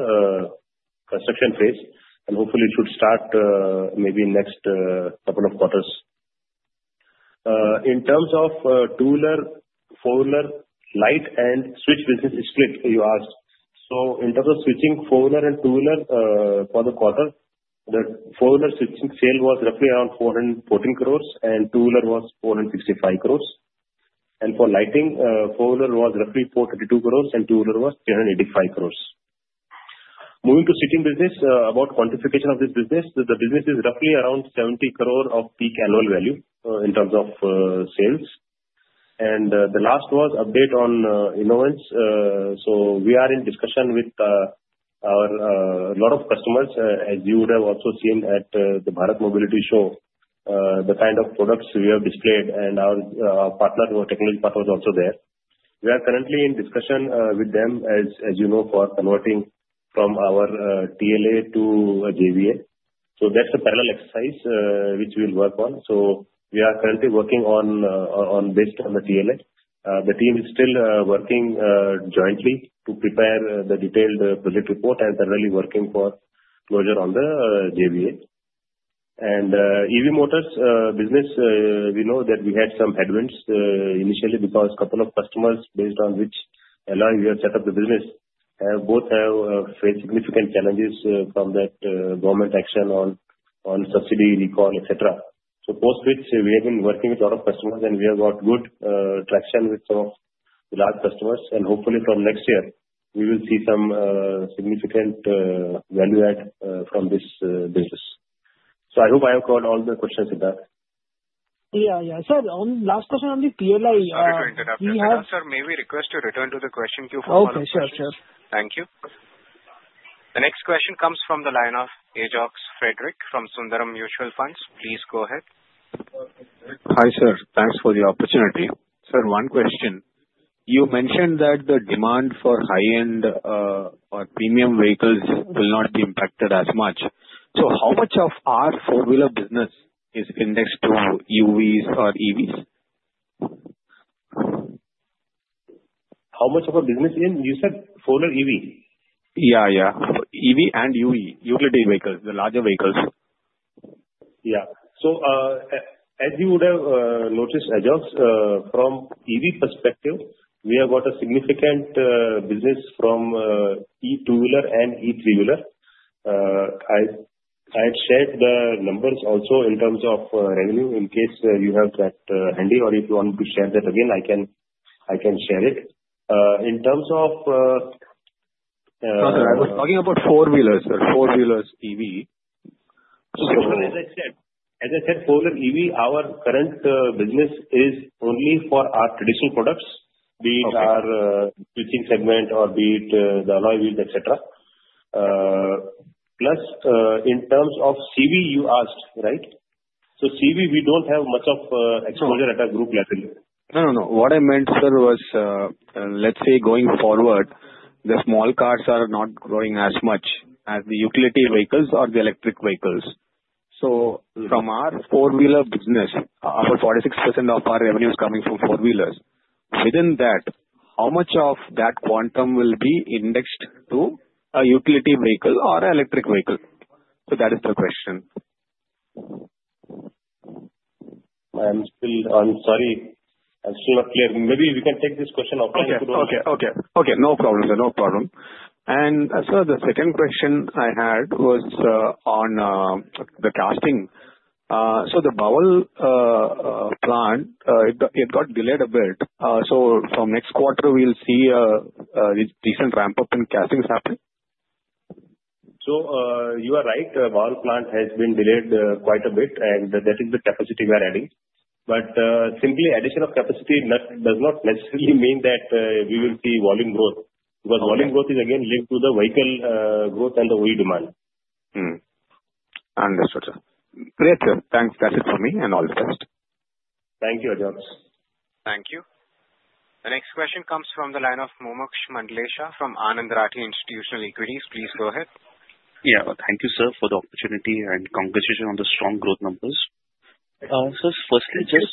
Speaker 2: construction phase. Hopefully, it should start maybe in the next couple of quarters. In terms of two-wheeler, four-wheeler, lighting, and switch business split, you asked. So in terms of switching four-wheeler and two-wheeler for the quarter, the four-wheeler switching sale was roughly around 414 crores, and two-wheeler was 465 crores. And for lighting, four-wheeler was roughly 422 crores, and two-wheeler was 285 crores. Moving to seating business, about quantification of this business, the business is roughly around 70 crore of peak annual value in terms of sales. And the latest update on Inovance. So we are in discussion with a lot of customers, as you would have also seen at the Bharat Mobility show, the kind of products we have displayed. And our technology partner was also there. We are currently in discussion with them, as you know, for converting from our TLA to JVA. So that's a parallel exercise which we'll work on. So we are currently working based on the TLA. The team is still working jointly to prepare the detailed project report and currently working for closure on the JVA. And EV Motors business, we know that we had some headwinds initially because a couple of customers, based on which alloy we have set up the business, both have faced significant challenges from that government action on subsidy recall, etc. So post-switch, we have been working with a lot of customers, and we have got good traction with some of the large customers. And hopefully, from next year, we will see some significant value add from this business. So I hope I have covered all the questions, Siddhartha.
Speaker 5: Yeah, yeah. Sir, last question on the TLA. We have.
Speaker 1: Sir, may we request you return to the question queue for all of the questions?
Speaker 5: Okay. Sure, sure.
Speaker 1: Thank you. The next question comes from the line of Ajox Frederick from Sundaram Mutual Fund. Please go ahead.
Speaker 6: Hi, sir. Thanks for the opportunity. Sir, one question. You mentioned that the demand for high-end or premium vehicles will not be impacted as much. So how much of our four-wheeler business is indexed to UVs or EVs?
Speaker 2: How much of our business is in, you said, four-wheeler EV?
Speaker 6: Yeah, yeah. EV and UV, utility vehicles, the larger vehicles.
Speaker 2: Yeah. So as you would have noticed, Ajox, from EV perspective, we have got a significant business from E2-wheeler and E3-wheeler. I had shared the numbers also in terms of revenue. In case you have that handy or if you want to share that again, I can share it. In terms of.
Speaker 6: Sir, I was talking about four-wheelers, sir. Four-wheelers EV. So.
Speaker 2: As I said, four-wheeler EV, our current business is only for our traditional products, be it our switching segment or be it the alloy wheels, etc. Plus, in terms of CV, you asked, right? So CV, we don't have much of exposure at our group level.
Speaker 6: No, no, no. What I meant, sir, was, let's say, going forward, the small cars are not growing as much as the utility vehicles or the electric vehicles. So from our four-wheeler business, about 46% of our revenue is coming from four-wheelers. Within that, how much of that quantum will be indexed to a utility vehicle or an electric vehicle? So that is the question.
Speaker 2: I'm still not clear. Maybe we can take this question offline.
Speaker 6: Yes, okay, okay. Okay. No problem, sir. No problem. And sir, the second question I had was on the casting. So the Bawal plant, it got delayed a bit. So from next quarter, we'll see a decent ramp-up in castings happen?
Speaker 2: So you are right. Bawal plant has been delayed quite a bit, and that is the capacity we are adding. But simply addition of capacity does not necessarily mean that we will see volume growth. Because volume growth is, again, linked to the vehicle growth and the OE demand.
Speaker 6: Understood, sir. Great, sir. Thanks. That's it for me and all the best.
Speaker 2: Thank you, Ajox.
Speaker 1: Thank you. The next question comes from the line of Mumuksh Mandlesha from Anand Rathi Institutional Equities. Please go ahead.
Speaker 7: Yeah. Thank you, sir, for the opportunity and congratulations on the strong growth numbers. Firstly, just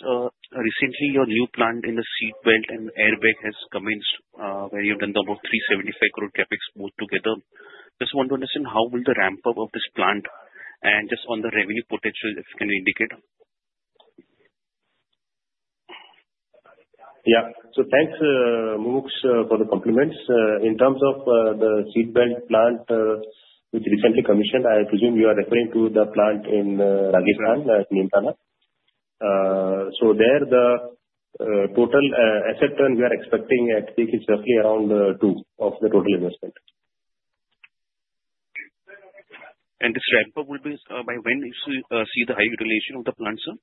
Speaker 7: recently, your new plant in the seat belt and airbag has commenced where you've done about 375 crore CapEx both together. Just want to understand how will the ramp-up of this plant and just on the revenue potential, if you can indicate?
Speaker 2: Yeah. So thanks, Mumuksh, for the compliments. In terms of the seat belt plant which recently commissioned, I presume you are referring to the plant in Rajasthan, Neemrana. So there, the total asset turn we are expecting at peak is roughly around two of the total investment.
Speaker 7: And this ramp-up will be by when? If you see the high utilization of the plant, sir?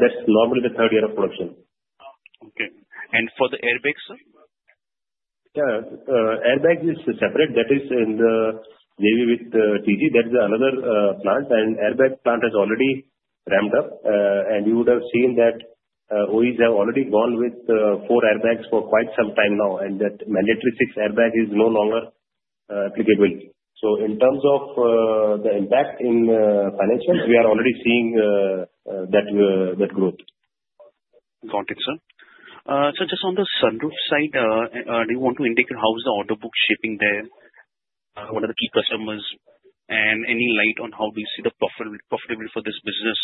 Speaker 2: That's normally the third year of production.
Speaker 7: Okay. And for the airbags, sir?
Speaker 2: Airbag is separate. That is in the JV with TG. That is another plant. And airbag plant has already ramped up. And you would have seen that OEMs have already gone with four airbags for quite some time now, and that mandatory six airbag is no longer applicable. So in terms of the impact in financials, we are already seeing that growth.
Speaker 7: Got it, sir. So just on the sunroof side, do you want to indicate how's the order book shaping there? What are the key customers? And any light on how do you see the profitability for this business?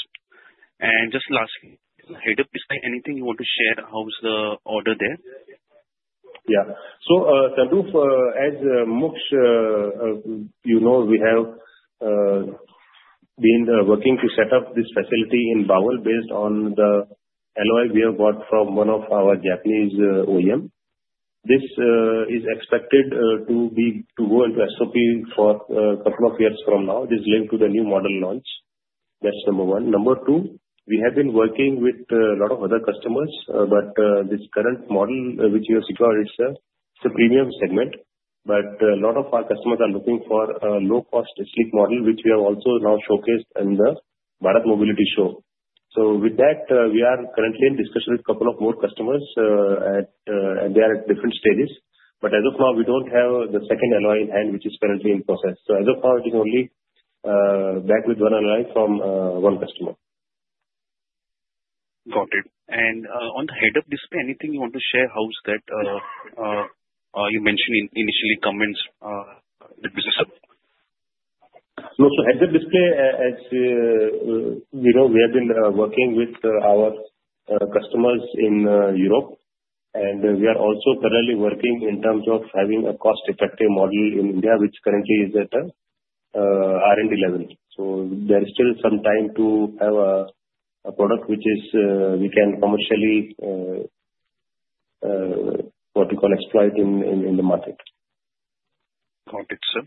Speaker 7: And just lastly, head-up, is there anything you want to share? How's the order there?
Speaker 2: Yeah. So sunroof, as Mumuksh, you know we have been working to set up this facility in Bawal based on the order we have got from one of our Japanese OEM. This is expected to go into SOP for a couple of years from now. This is linked to the new model launch. That's number one. Number two, we have been working with a lot of other customers, but this current model which you have seen is the premium segment. But a lot of our customers are looking for a low-cost, slick model, which we have also now showcased in the Bharat Mobility show. So with that, we are currently in discussion with a couple of more customers, and they are at different stages. But as of now, we don't have the second alloy in hand, which is currently in process. So as of now, it is only back with one alloy from one customer.
Speaker 7: Got it. And on the head-up display, anything you want to share? How's that? You mentioned initially comments.
Speaker 2: No, so head-up display, as you know, we have been working with our customers in Europe. And we are also currently working in terms of having a cost-effective model in India, which currently is at R&D level. So there is still some time to have a product which we can commercially, what we call, exploit in the market.
Speaker 7: Got it, sir.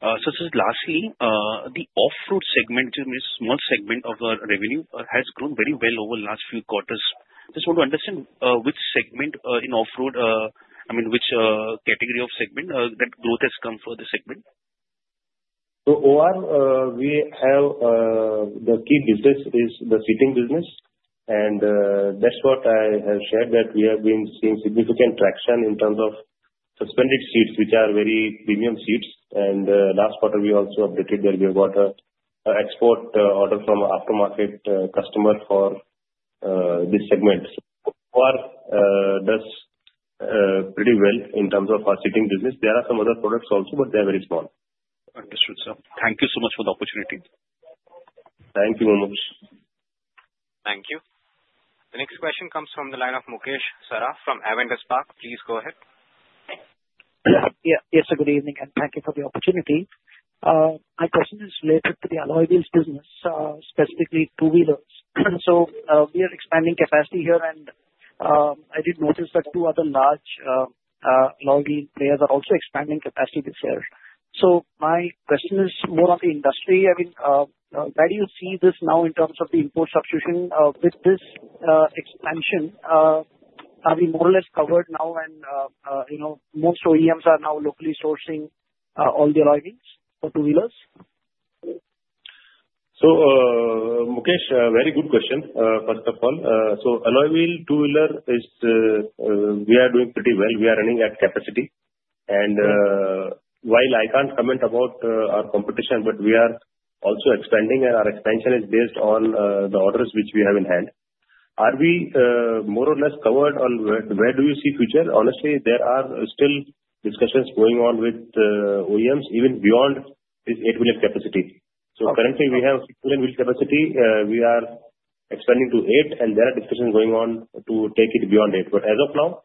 Speaker 7: So just lastly, the off-road segment, which is a small segment of our revenue, has grown very well over the last few quarters. Just want to understand which segment in off-road, I mean, which category of segment that growth has come for the segment?
Speaker 2: So off-road, we have the key business is the seating business. And that's what I have shared, that we have been seeing significant traction in terms of suspended seats, which are very premium seats. And last quarter, we also updated that we have got an export order from an aftermarket customer for this segment. So off-road does pretty well in terms of our seating business. There are some other products also, but they are very small.
Speaker 7: Understood, sir. Thank you so much for the opportunity.
Speaker 2: Thank you, Mumuksh.
Speaker 1: Thank you. The next question comes from the line of Mukesh Saraf from Avendus Spark. Please go ahead.
Speaker 8: Yes, sir. Good evening, and thank you for the opportunity. My question is related to the alloy wheels business, specifically two-wheelers. So we are expanding capacity here, and I did notice that two other large alloy wheel players are also expanding capacity this year. So my question is more on the industry. I mean, where do you see this now in terms of the import substitution? With this expansion, are we more or less covered now? And most OEMs are now locally sourcing all the alloy wheels for two-wheelers?
Speaker 2: So Mukesh, very good question, first of all. So alloy wheel, two-wheeler, we are doing pretty well. We are running at capacity. While I can't comment about our competition, but we are also expanding, and our expansion is based on the orders which we have in hand. Are we more or less covered? Where do you see future? Honestly, there are still discussions going on with OEMs, even beyond this eight million capacity. So currently, we have six million capacity. We are expanding to eight, and there are discussions going on to take it beyond eight. But as of now,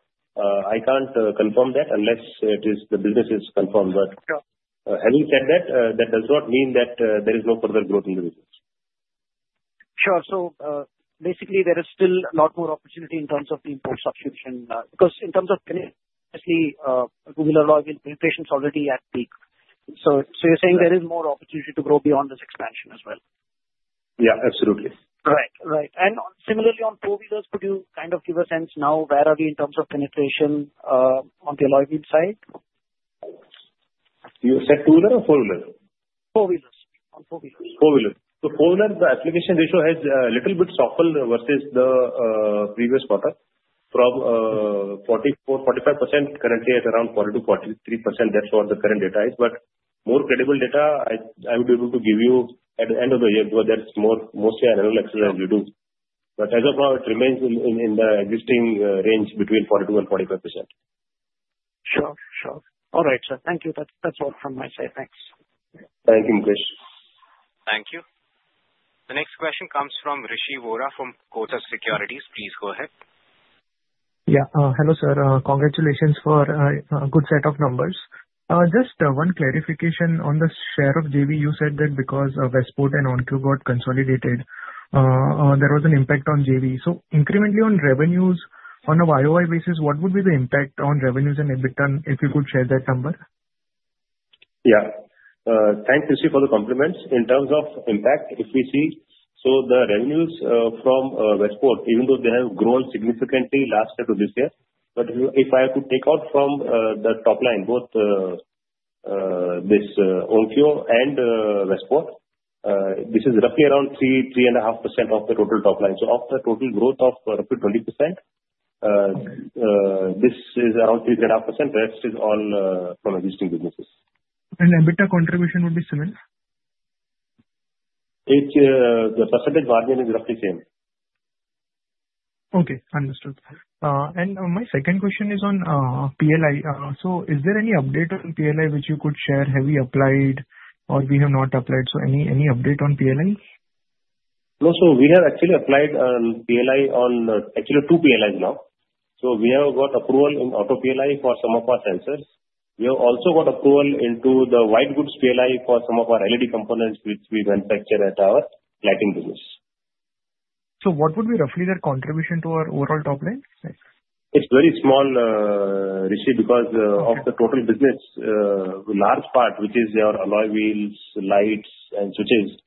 Speaker 2: I can't confirm that unless the business is confirmed. But having said that, that does not mean that there is no further growth in the business.
Speaker 8: Sure. So basically, there is still a lot more opportunity in terms of the import substitution. Because in terms of two-wheeler alloy wheels, penetration is already at peak. So you're saying there is more opportunity to grow beyond this expansion as well?
Speaker 2: Yeah, absolutely.
Speaker 8: Right, right. And similarly, on four-wheelers, could you kind of give a sense now where are we in terms of penetration on the alloy wheel side?
Speaker 2: You said two-wheeler or four-wheeler?
Speaker 8: Four-wheelers. On four-wheelers.
Speaker 2: Four-wheelers. So four-wheeler, the application ratio has a little bit softened versus the previous quarter. 44%-45% currently is around 42%-43%. That's what the current data is. But more credible data, I would be able to give you at the end of the year because that's mostly annual exercise we do. But as of now, it remains in the existing range between 42% and 45%.
Speaker 8: Sure, sure. All right, sir. Thank you. That's all from my side. Thanks.
Speaker 2: Thank you, Mukesh.
Speaker 1: Thank you. The next question comes from Rishi Vora from Kotak Securities. Please go ahead.
Speaker 9: Yeah. Hello, sir. Congratulations for a good set of numbers. Just one clarification on the share of JV. You said that because Westport and Onkyo got consolidated, there was an impact on JV. So incrementally on revenues, on a YoY basis, what would be the impact on revenues and EBITDA if you could share that number?
Speaker 2: Yeah. Thanks Rishi for the compliments. In terms of impact, if we see, so the revenues from Westport, even though they have grown significantly last year to this year, but if I could take out from the top line, both this Onkyo and Westport, this is roughly 3%-3.5% of the total top line. So of the total growth of roughly 20%, this is around 3.5%. The rest is all from existing businesses.
Speaker 9: And EBITDA contribution would be similar?
Speaker 2: The percentage margin is roughly same.
Speaker 9: Okay. Understood. And my second question is on PLI. So is there any update on PLI which you could share? Have we applied or we have not applied? So any update on PLI?
Speaker 2: No, so we have actually applied PLI on actually two PLIs now. So we have got approval in Auto PLI for some of our sensors. We have also got approval into the White Goods PLI for some of our LED components which we manufacture at our lighting business.
Speaker 9: So what would be roughly their contribution to our overall top line?
Speaker 2: It's very small, Rishi, because of the total business, a large part, which is our alloy wheels, lights, and switches,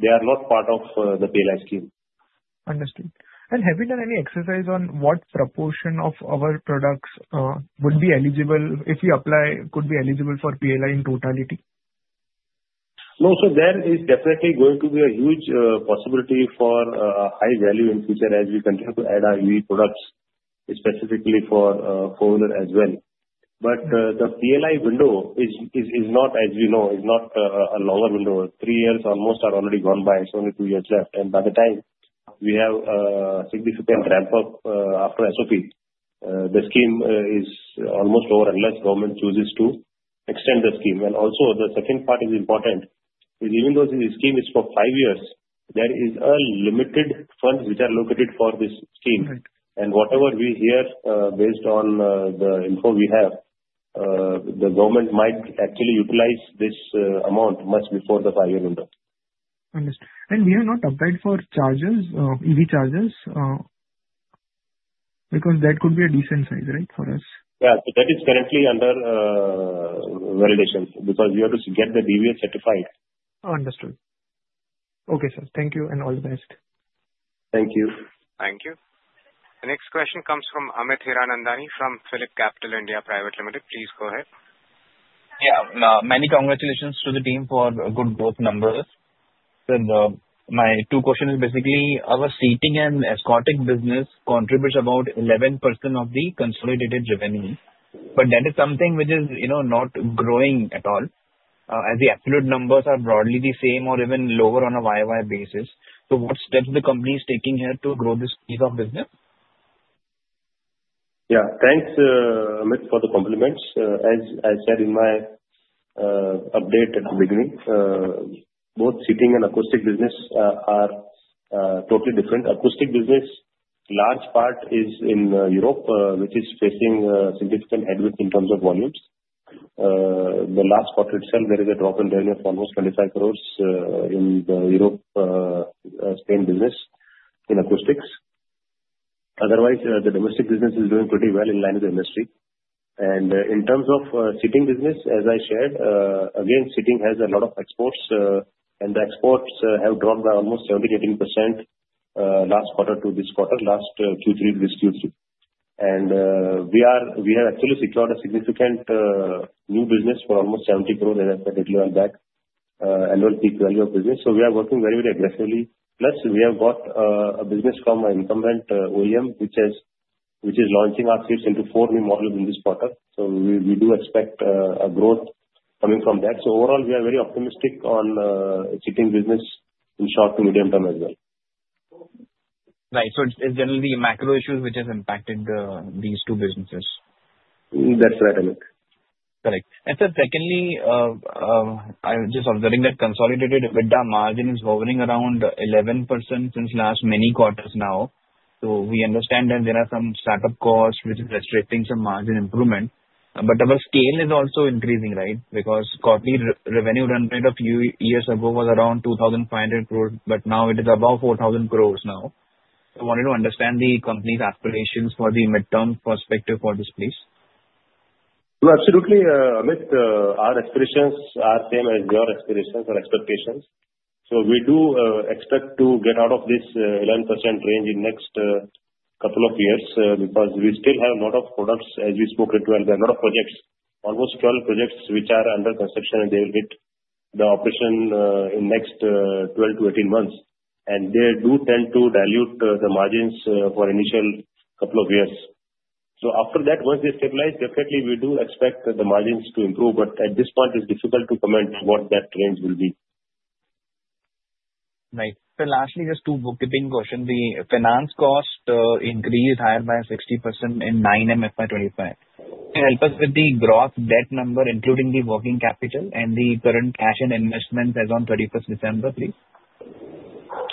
Speaker 2: they are not part of the PLI scheme.
Speaker 9: Understood. And have you done any exercise on what proportion of our products would be eligible if we apply, could be eligible for PLI in totality?
Speaker 2: No, so there is definitely going to be a huge possibility for high value in future as we continue to add our EV products, specifically for four-wheeler as well. But the PLI window is not, as we know, is not a longer window. Three years almost are already gone by. It's only two years left. And by the time we have a significant ramp-up after SOP, the scheme is almost over unless government chooses to extend the scheme. And also, the second part is important. Even though the scheme is for five years, there is a limited fund which are allocated for this scheme. And whatever we hear based on the info we have, the government might actually utilize this amount much before the five-year window.
Speaker 9: Understood. And we have not applied for chargers, EV chargers, because that could be a decent size, right, for us?
Speaker 2: Yeah. But that is currently under validation because we have to get the DVA certified.
Speaker 9: Understood. Okay, sir. Thank you and all the best.
Speaker 2: Thank you.
Speaker 1: Thank you. The next question comes from Amit Hiranandani from PhillipCapital (India) Pvt Ltd. Please go ahead.
Speaker 10: Yeah. Many congratulations to the team for good growth numbers. And my two questions are basically our seating and acoustics business contributes about 11% of the consolidated revenue. But that is something which is not growing at all. As the absolute numbers are broadly the same or even lower on a YoY basis. So what steps the company is taking here to grow this piece of business?
Speaker 2: Yeah. Thanks, Amit, for the compliments. As I said in my update at the beginning, both seating and acoustics business are totally different. Acoustics business, large part is in Europe, which is facing significant headwinds in terms of volumes. The last quarter itself, there is a drop in revenue of almost 20 crores in the Europe-Spain business in acoustics. Otherwise, the domestic business is doing pretty well in line with the industry. And in terms of seating business, as I shared, again, seating has a lot of exports. And the exports have dropped by almost 17%-18% last quarter to this quarter, last Q3 to this Q2. And we have actually secured a significant new business for almost 70 crores on that annual peak value of business. So we are working very, very aggressively. Plus, we have got a business from our incumbent OEM, which is launching our seats into four new models in this quarter. So we do expect a growth coming from that. So overall, we are very optimistic on seating business in short to medium term as well.
Speaker 10: Right. So it's generally the macro issues which have impacted these two businesses.
Speaker 2: That's right, Amit.
Speaker 10: Correct. And then secondly, I'm just observing that consolidated EBITDA margin is hovering around 11% since last many quarters now. So we understand that there are some startup costs which are restricting some margin improvement. But our scale is also increasing, right? Because quarterly revenue run rate a few years ago was around 2,500 crores, but now it is above 4,000 crores now. I wanted to understand the company's aspirations for the midterm perspective for this place.
Speaker 2: Absolutely, Amit. Our aspirations are same as your aspirations or expectations. So we do expect to get out of this 11% range in the next couple of years because we still have a lot of products. As we spoke a little while ago, a lot of projects, almost 12 projects which are under construction, and they will hit the operation in the next 12-18 months. And they do tend to dilute the margins for an initial couple of years. So after that, once they stabilize, definitely we do expect the margins to improve. But at this point, it's difficult to comment what that range will be.
Speaker 10: Right. So lastly, just two bookkeeping questions. The finance cost increased higher by 60% in M9 in FY 2025. Can you help us with the gross debt number, including the working capital, and the current cash and investments as of 31st December, please?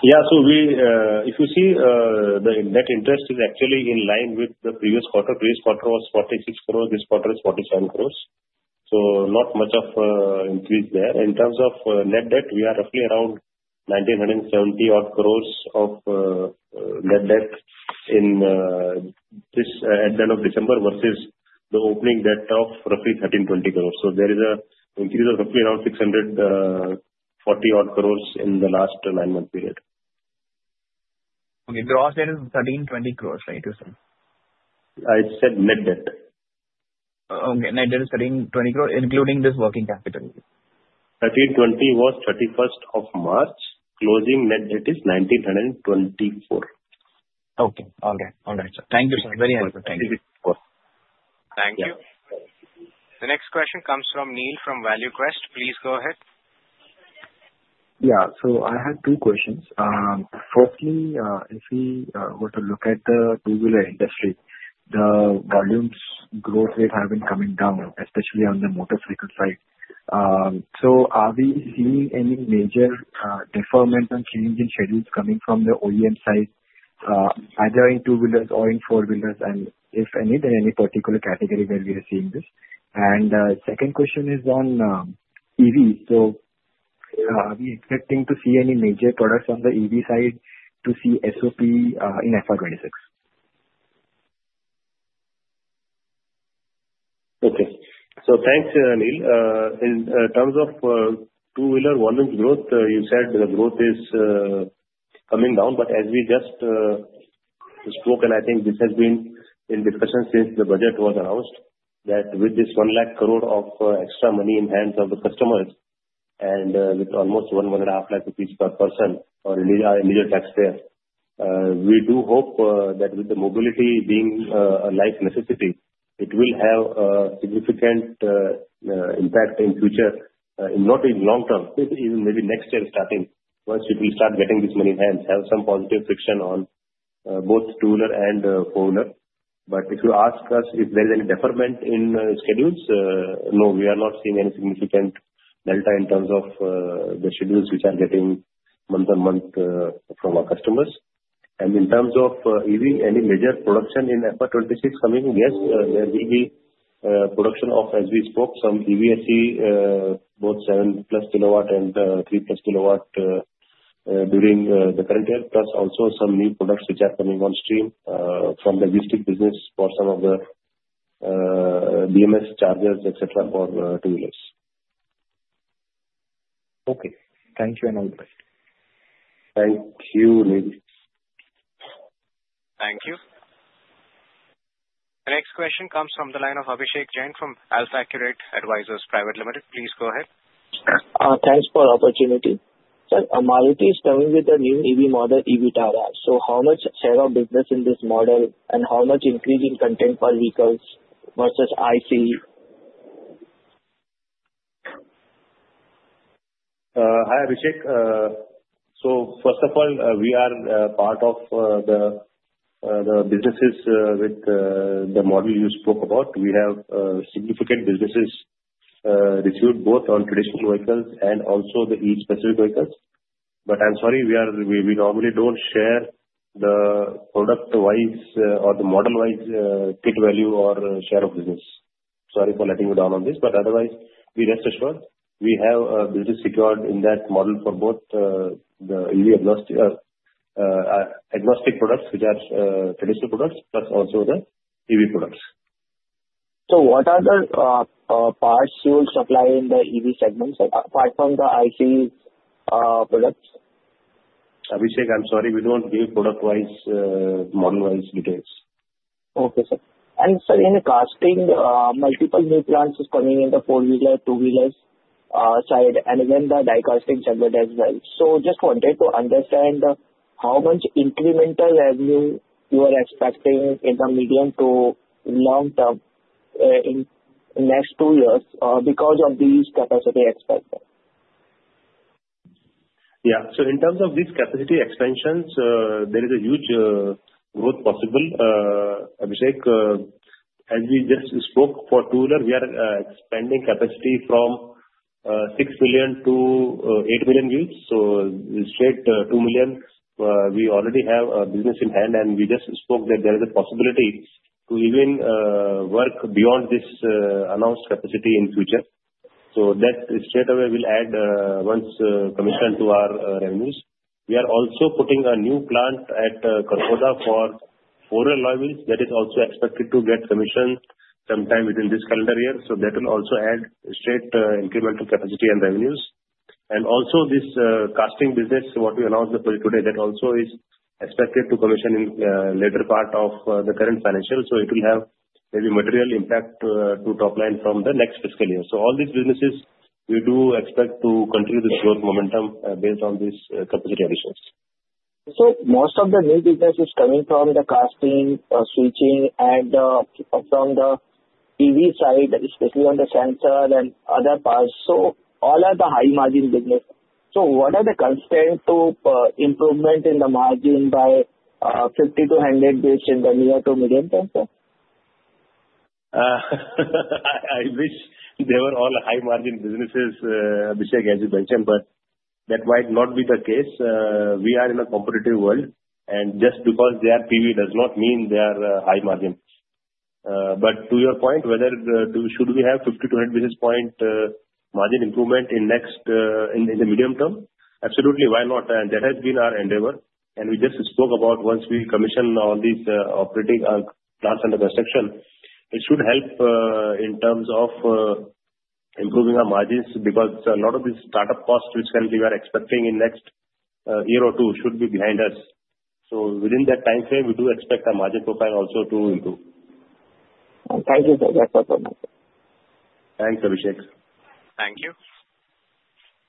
Speaker 2: Yeah. So if you see, the net interest is actually in line with the previous quarter. Previous quarter was 46 crores. This quarter is 47 crores. So not much of an increase there. In terms of net debt, we are roughly around 1,970-odd crores of net debt at the end of December versus the opening debt of roughly 1,320 crores. So there is an increase of roughly around 640-odd crores in the last nine-month period.
Speaker 10: Okay. Gross debt is 1,320 crores, right, you said?
Speaker 2: I said net debt.
Speaker 10: Okay. Net debt is 1,320 crores, including this working capital.
Speaker 2: 1,320 was 31st of March. Closing net debt is 1,924.
Speaker 10: Okay. All right. All right, sir. Thank you, sir. Very helpful.
Speaker 2: Thank you.
Speaker 1: Thank you. The next question comes from Neel from ValueQuest. Please go ahead.
Speaker 11: Yeah. So I have two questions. Firstly, if we were to look at the two-wheeler industry, the volumes' growth rate has been coming down, especially on the motor vehicle side. So are we seeing any major deferment or change in schedules coming from the OEM side, either in two-wheelers or in four-wheelers, and if any, then any particular category where we are seeing this? And the second question is on EV. So are we expecting to see any major products on the EV side to see SOP in FY 2026?
Speaker 2: Okay. So thanks, Neel. In terms of two-wheeler volume growth, you said the growth is coming down. But as we just spoke, and I think this has been in discussion since the budget was announced, that with this 1 lakh crore of extra money in hands of the customers and with almost 1-1.5 lakh rupees per person or individual taxpayer, we do hope that with the mobility being a life necessity, it will have a significant impact in the future, not in the long term, even maybe next year starting, once people start getting this money in hand, have some positive friction on both two-wheeler and four-wheeler. But if you ask us if there is any deferment in schedules, no, we are not seeing any significant delta in terms of the schedules which are getting month-on-month from our customers. And in terms of EV, any major production in FY 2026 coming? Yes, there will be production of, as we spoke, some EVSE, both 7+ kW and 3+ kW during the current year, plus also some new products which are coming on stream from the existing business for some of the BMS chargers, etc., for two-wheelers.
Speaker 11: Okay. Thank you and all the best.
Speaker 2: Thank you, Neel.
Speaker 1: Thank you. The next question comes from the line of Abhishek Jain from Alpha Accurate Advisors Private Limited. Please go ahead.
Speaker 12: Thanks for the opportunity. Sir, Maruti is coming with a new EV model, e-Vitara. So how much share of business in this model and how much increase in content per vehicles versus ICE?
Speaker 2: Hi, Abhishek. So first of all, we are part of the businesses with the model you spoke about. We have significant businesses diffused both on traditional vehicles and also the EV-specific vehicles. But I'm sorry, we normally don't share the product-wise or the model-wise kit value or share of business. Sorry for letting you down on this. But otherwise, we rest assured we have a business secured in that model for both the EV-agnostic products, which are traditional products, plus also the EV products.
Speaker 12: So what are the parts you will supply in the EV segments apart from the ICE products?
Speaker 2: Abhishek, I'm sorry, we don't give product-wise, model-wise details.
Speaker 12: Okay, sir. And sir, in the casting, multiple new plants is coming in the four-wheeler, two-wheelers side, and then the die casting segment as well. So just wanted to understand how much incremental revenue you are expecting in the medium to long term in the next two years because of these capacity expansions.
Speaker 2: Yeah. So in terms of these capacity expansions, there is a huge growth possible. Abhishek, as we just spoke, for two-wheeler, we are expanding capacity from six million to eight million units. Straight two million, we already have a business in hand, and we just spoke that there is a possibility to even work beyond this announced capacity in the future. That straight away will add once commissioned to our revenues. We are also putting a new plant at Kharkhoda for four-wheeler alloy wheels. That is also expected to get commissioned sometime within this calendar year. That will also add straight incremental capacity and revenues. This casting business, what we announced today, that also is expected to commission in the later part of the current financial. It will have maybe material impact to top line from the next fiscal year. All these businesses, we do expect to continue this growth momentum based on these capacity additions.
Speaker 12: So most of the new business is coming from the casting, switching, and from the EV side, especially on the sensor and other parts. So all are the high-margin business. So what are the constant improvements in the margin by 50-100 basis points in the near to medium term?
Speaker 2: I wish they were all high-margin businesses, Abhishek, as you mentioned, but that might not be the case. We are in a competitive world, and just because they are PV does not mean they are high-margin. But to your point, whether should we have 50-100 basis points margin improvement in the medium term? Absolutely, why not? And that has been our endeavor. And we just spoke about once we commission all these operating plants under construction, it should help in terms of improving our margins because a lot of these startup costs, which currently we are expecting in the next year or two, should be behind us. So within that time frame, we do expect our margin profile also to improve.
Speaker 12: Thank you, sir. That's what we want.
Speaker 2: Thanks, Abhishek.
Speaker 1: Thank you.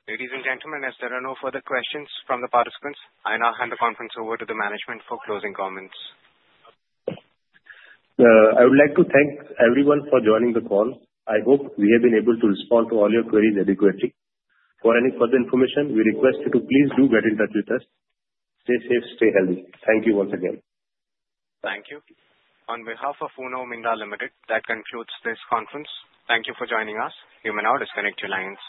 Speaker 1: Ladies and gentlemen, if there are no further questions from the participants, I now hand the conference over to the management for closing comments.
Speaker 2: I would like to thank everyone for joining the call. I hope we have been able to respond to all your queries adequately. For any further information, we request you to please do get in touch with us. Stay safe, stay healthy. Thank you once again.
Speaker 1: Thank you. On behalf of Uno Minda Limited, that concludes this conference. Thank you for joining us. You may now disconnect your lines.